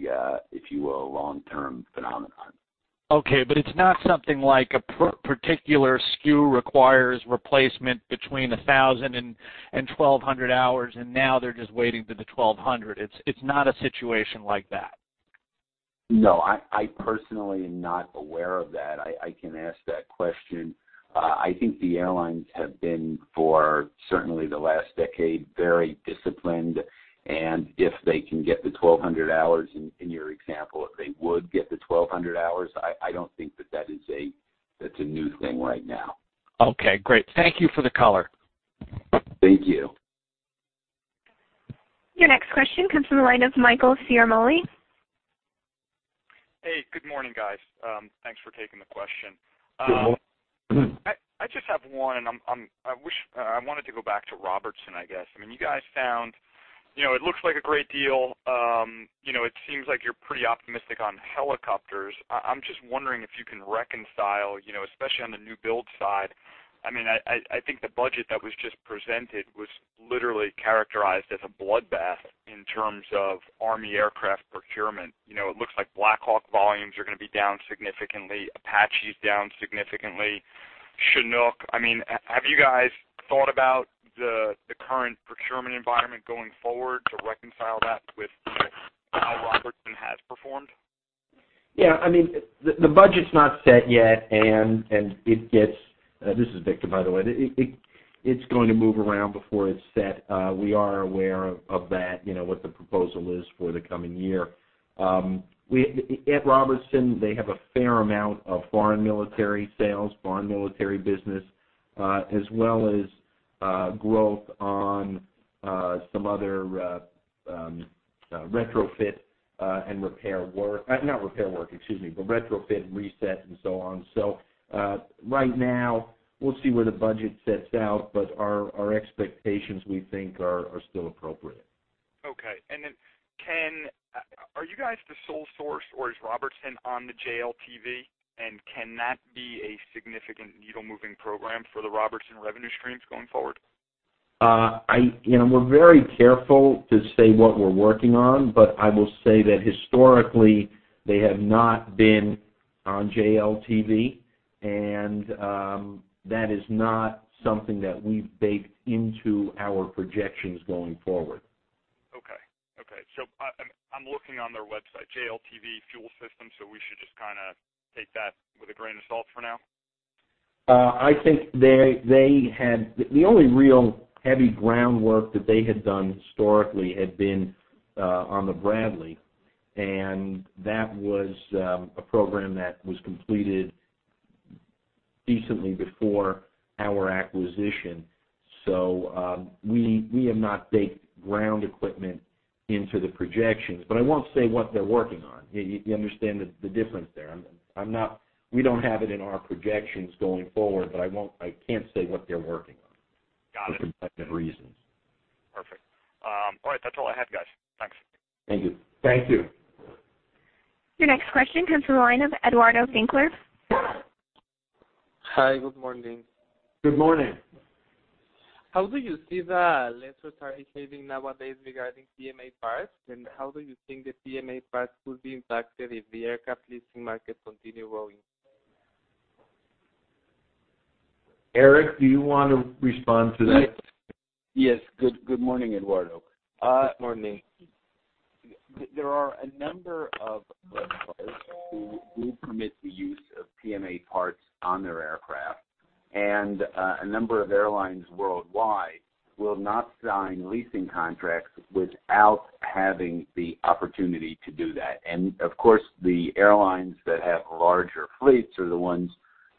if you will, long-term phenomenon. Okay, it's not something like a particular SKU requires replacement between 1,000 and 1,200 hours, and now they're just waiting to the 1,200. It's not a situation like that? No, I personally am not aware of that. I can ask that question. I think the airlines have been, for certainly the last decade, very disciplined, and if they can get the 1,200 hours, in your example, if they would get the 1,200 hours, I don't think that that's a new thing right now. Okay, great. Thank you for the color. Thank you. Your next question comes from the line of Michael Ciarmoli. Hey, good morning, guys. Thanks for taking the question. Good morning. I just have one, I wanted to go back to Robertson, I guess. You guys found it looks like a great deal. It seems like you're pretty optimistic on helicopters. I'm just wondering if you can reconcile, especially on the new build side. I think the budget that was just presented was literally characterized as a bloodbath in terms of Army aircraft procurement. It looks like Black Hawk volumes are going to be down significantly, Apache is down significantly, Chinook. Have you guys thought about the current procurement environment going forward to reconcile that with how Robertson has performed? Yeah. The budget's not set yet. This is Victor, by the way. It's going to move around before it's set. We are aware of that, what the proposal is for the coming year. At Robertson, they have a fair amount of foreign military sales, foreign military business, as well as growth on some other retrofit and repair work. Not repair work, excuse me, but retrofit, reset, and so on. Right now, we'll see where the budget sets out, but our expectations, we think, are still appropriate. Okay. Are you guys the sole source, or is Robertson on the JLTV, and can that be a significant needle-moving program for the Robertson revenue streams going forward? We're very careful to say what we're working on, but I will say that historically, they have not been on JLTV, and that is not something that we've baked into our projections going forward. Okay. I'm looking on their website, JLTV fuel system, so we should just kind of take that with a grain of salt for now? I think the only real heavy groundwork that they had done historically had been on the Bradley, and that was a program that was completed decently before our acquisition. We have not baked ground equipment into the projections, but I won't say what they're working on. You understand the difference there. We don't have it in our projections going forward, but I can't say what they're working on. Got it. for competitive reasons. Perfect. All right, that's all I had, guys. Thanks. Thank you. Thank you. Your next question comes from the line of Eduardo Finkler. Hi. Good morning. Good morning. How do you see the lessors are behaving nowadays regarding PMA parts, and how do you think the PMA parts will be impacted if the aircraft leasing market continue growing? Eric, do you want to respond to that? Yes. Good morning, Eduardo. Good morning. There are a number of lessors who do permit the use of PMA parts on their aircraft, a number of airlines worldwide will not sign leasing contracts without having the opportunity to do that. Of course, the airlines that have larger fleets are the ones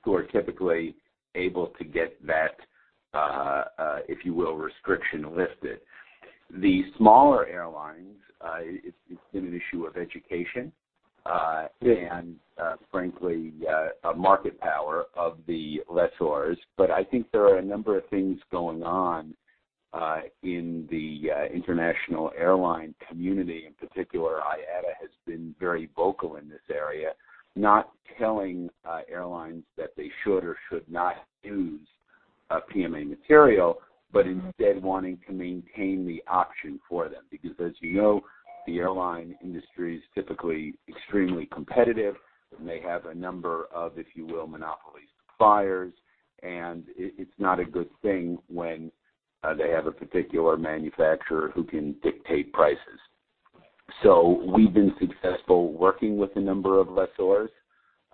who are typically able to get that, if you will, restriction lifted. The smaller airlines, it's been an issue of education, and frankly, market power of the lessors. I think there are a number of things going on in the international airline community. In particular, IATA has been very vocal in this area, not telling airlines that they should or should not use PMA material, but instead wanting to maintain the option for them. As you know, the airline industry is typically extremely competitive, and they have a number of, if you will, monopoly suppliers, and it's not a good thing when they have a particular manufacturer who can dictate prices. We've been successful working with a number of lessors.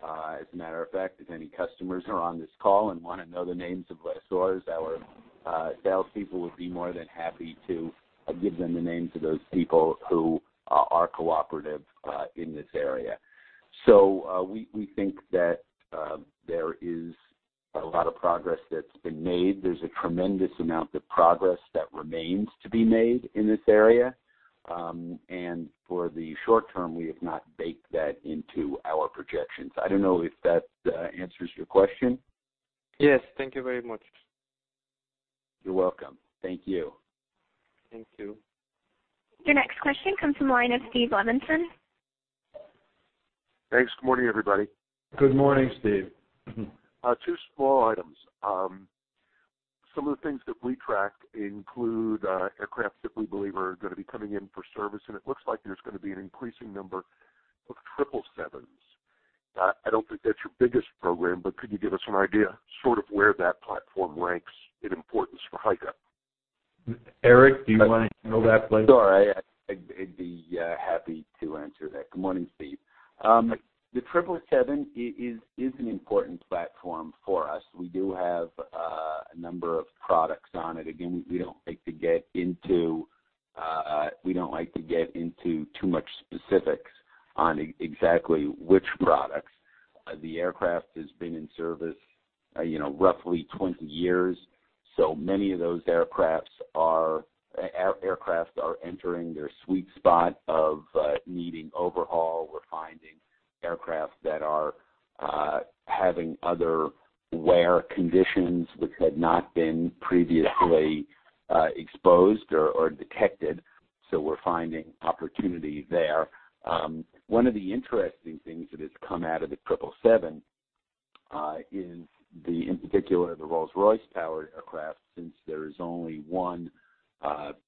As a matter of fact, if any customers are on this call and want to know the names of lessors, our salespeople would be more than happy to give them the names of those people who are cooperative in this area. We think that there is a lot of progress that's been made. There's a tremendous amount of progress that remains to be made in this area. For the short term, we have not baked that into our projections. I don't know if that answers your question. Yes. Thank you very much. You're welcome. Thank you. Thank you. Your next question comes from the line of Steve Levinson. Thanks. Good morning, everybody. Good morning, Steve. Two small items. Some of the things that we track include aircraft that we believe are going to be coming in for service. It looks like there's going to be an increasing number of 777s. I don't think that's your biggest program, but could you give us an idea sort of where that platform ranks in importance for HEICO? Eric, do you want to handle that, please? Sure. I'd be happy to answer that. Good morning, Steve. The 777 is an important platform for us. We do have a number of products on it. Again, we don't like to get into too much specifics on exactly which products. The aircraft has been in service roughly 20 years. Many of those aircraft are entering their sweet spot of needing overhaul. We're finding aircraft that are having other wear conditions which had not been previously exposed or detected. We're finding opportunity there. One of the interesting things that has come out of the 777 is in particular, the Rolls-Royce powered aircraft, since there is only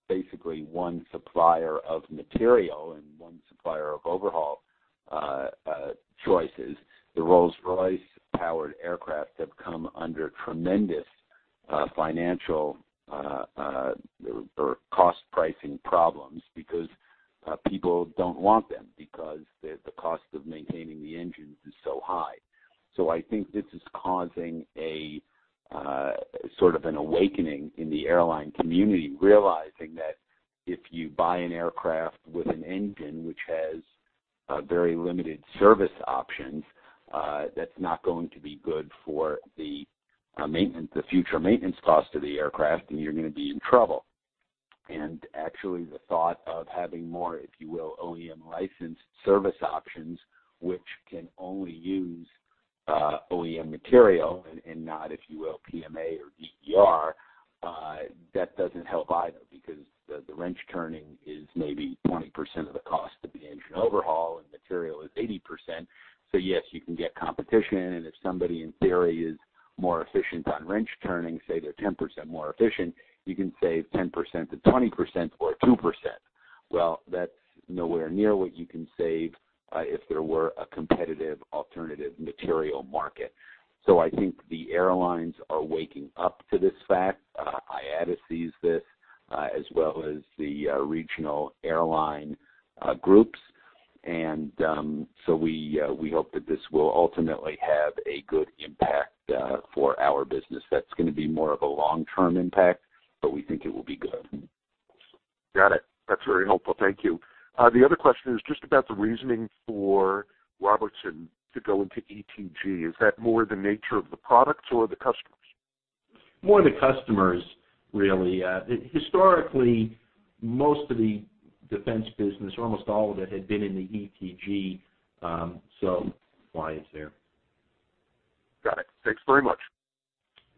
basically one supplier of material and one supplier of overhaul choices. The Rolls-Royce powered aircraft have come under tremendous financial or cost pricing problems because people don't want them, because the cost of maintaining the engines is so high. I think this is causing a sort of an awakening in the airline community, realizing that if you buy an aircraft with an engine which has very limited service options, that's not going to be good for the future maintenance cost of the aircraft, and you're going to be in trouble. Actually, the thought of having more, if you will, OEM licensed service options, which can only use OEM material and not, if you will, PMA or DER, that doesn't help either, because the wrench turning is maybe 20% of the cost of the engine overhaul and material is 80%. Yes, you can get competition, and if somebody, in theory, is more efficient on wrench turning, say they're 10% more efficient, you can save 10%-20% or 2%. That's nowhere near what you can save if there were a competitive alternative material market. I think the airlines are waking up to this fact. IATA sees this as well as the regional airline groups, we hope that this will ultimately have a good impact for our business. That's going to be more of a long-term impact, but we think it will be good. Got it. That's very helpful. Thank you. The other question is just about the reasoning for Robertson to go into ETG. Is that more the nature of the products or the customers? More the customers, really. Historically, most of the defense business, or almost all of it, had been in the ETG, so why it's there. Got it. Thanks very much.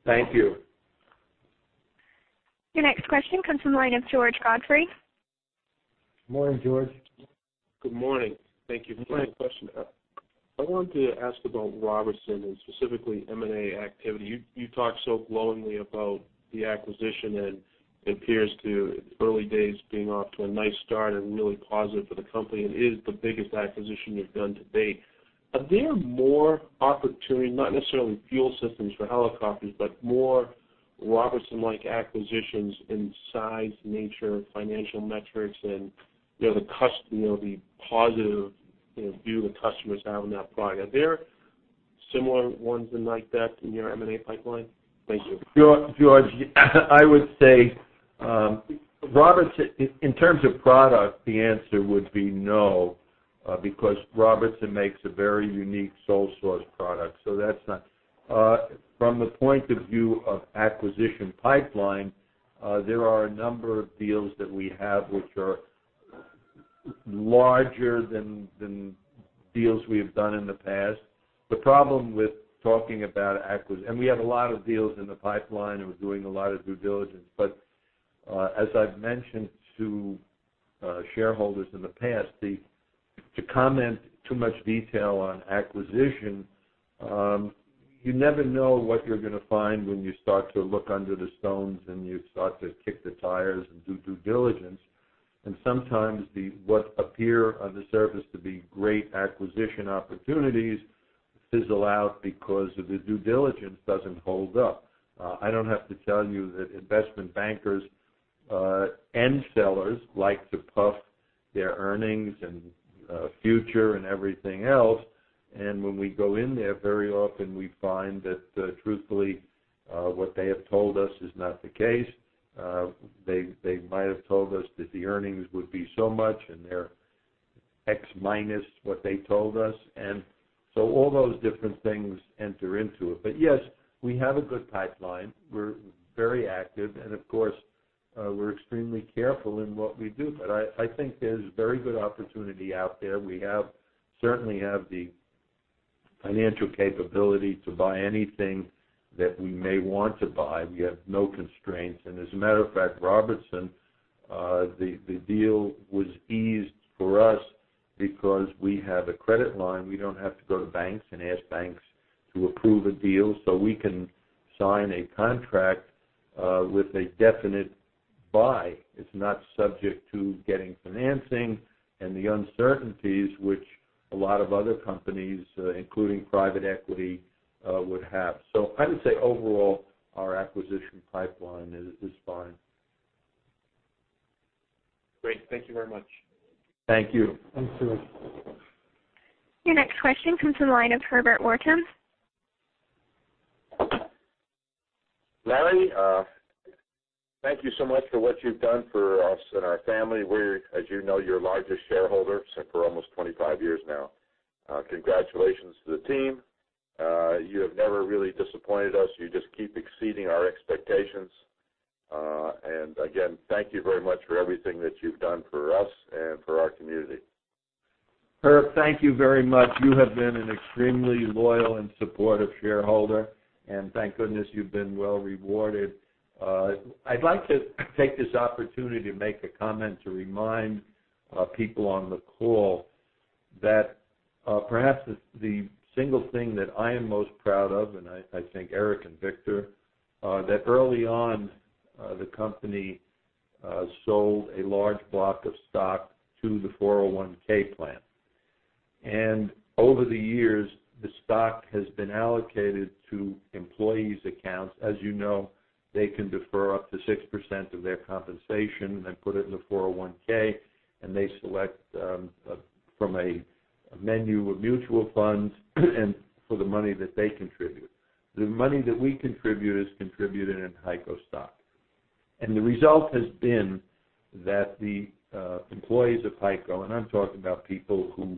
Thank you. Your next question comes from the line of George Godfrey. Morning, George. Good morning. Thank you for taking the question. I wanted to ask about Robertson and specifically M&A activity. You talked so glowingly about the acquisition, and it appears to, early days, being off to a nice start and really positive for the company, and it is the biggest acquisition you've done to date. Are there more opportunity, not necessarily fuel systems for helicopters, but more Robertson-like acquisitions in size, nature, financial metrics, and the positive view the customers have on that product? Are there similar ones like that in your M&A pipeline? Thank you. George, I would say, in terms of product, the answer would be no, because Robertson makes a very unique sole source product, so that's not. From the point of view of acquisition pipeline, there are a number of deals that we have which are larger than deals we have done in the past. The problem with talking about acquis-- and we have a lot of deals in the pipeline and we're doing a lot of due diligence, but as I've mentioned to shareholders in the past, the To comment too much detail on acquisition, you never know what you're going to find when you start to look under the stones, and you start to kick the tires and do due diligence. Sometimes what appear on the surface to be great acquisition opportunities fizzle out because the due diligence doesn't hold up. I don't have to tell you that investment bankers and sellers like to puff their earnings and future and everything else. When we go in there, very often we find that, truthfully, what they have told us is not the case. They might have told us that the earnings would be so much, and they're X minus what they told us. So all those different things enter into it. Yes, we have a good pipeline. We're very active, and of course, we're extremely careful in what we do. I think there's very good opportunity out there. We certainly have the financial capability to buy anything that we may want to buy. We have no constraints. As a matter of fact, Robertson, the deal was eased for us because we have a credit line. We don't have to go to banks and ask banks to approve a deal so we can sign a contract with a definite buy. It's not subject to getting financing and the uncertainties which a lot of other companies, including private equity, would have. I would say overall, our acquisition pipeline is fine. Great. Thank you very much. Thank you. Thanks, Philip. Your next question comes from the line of Herbert [Warton]. Larry, thank you so much for what you've done for us and our family. We're, as you know, your largest shareholder, so for almost 25 years now. Congratulations to the team. You have never really disappointed us. You just keep exceeding our expectations. Again, thank you very much for everything that you've done for us and for our community. Herb, thank you very much. You have been an extremely loyal and supportive shareholder, thank goodness you've been well rewarded. I'd like to take this opportunity to make a comment to remind people on the call that perhaps the single thing that I am most proud of, I think Eric and Victor, that early on, the company sold a large block of stock to the 401(k) plan. Over the years, the stock has been allocated to employees' accounts. As you know, they can defer up to 6% of their compensation, they put it in the 401(k), they select from a menu of mutual funds for the money that they contribute. The money that we contribute is contributed in HEICO stock. The result has been that the employees of HEICO, I'm talking about people who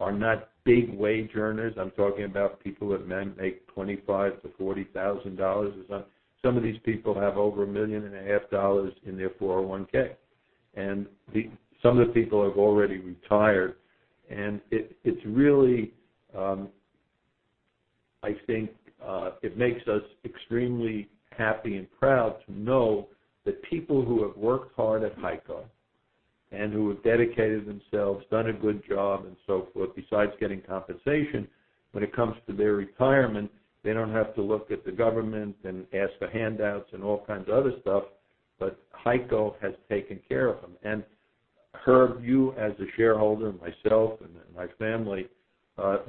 are not big wage earners, I'm talking about people that make $25,000 to $40,000 or so. Some of these people have over a million and a half dollars in their 401(k). Some of the people have already retired, I think it makes us extremely happy and proud to know that people who have worked hard at HEICO who have dedicated themselves, done a good job, so forth, besides getting compensation, when it comes to their retirement, they don't have to look at the government and ask for handouts and all kinds of other stuff, HEICO has taken care of them. Herb, you as a shareholder, myself and my family,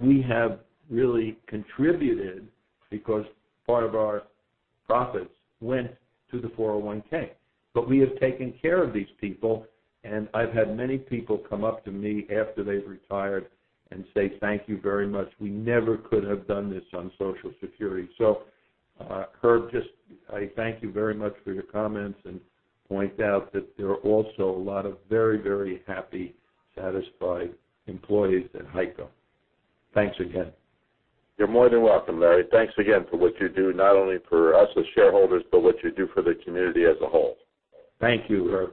we have really contributed because part of our profits went to the 401(k). We have taken care of these people, I've had many people come up to me after they've retired and say, "Thank you very much. We never could have done this on Social Security." Herb, I thank you very much for your comments and point out that there are also a lot of very happy, satisfied employees at HEICO. Thanks again. You're more than welcome, Larry. Thanks again for what you do, not only for us as shareholders, but what you do for the community as a whole. Thank you, Herb.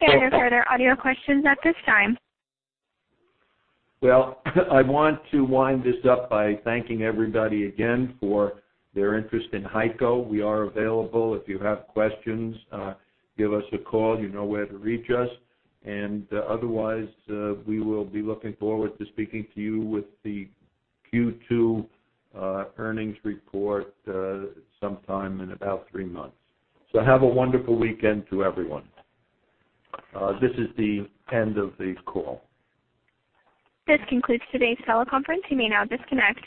There are no further audio questions at this time. Well, I want to wind this up by thanking everybody again for their interest in HEICO. We are available. If you have questions, give us a call. You know where to reach us. Otherwise, we will be looking forward to speaking to you with the Q2 earnings report sometime in about three months. Have a wonderful weekend to everyone. This is the end of the call. This concludes today's teleconference. You may now disconnect.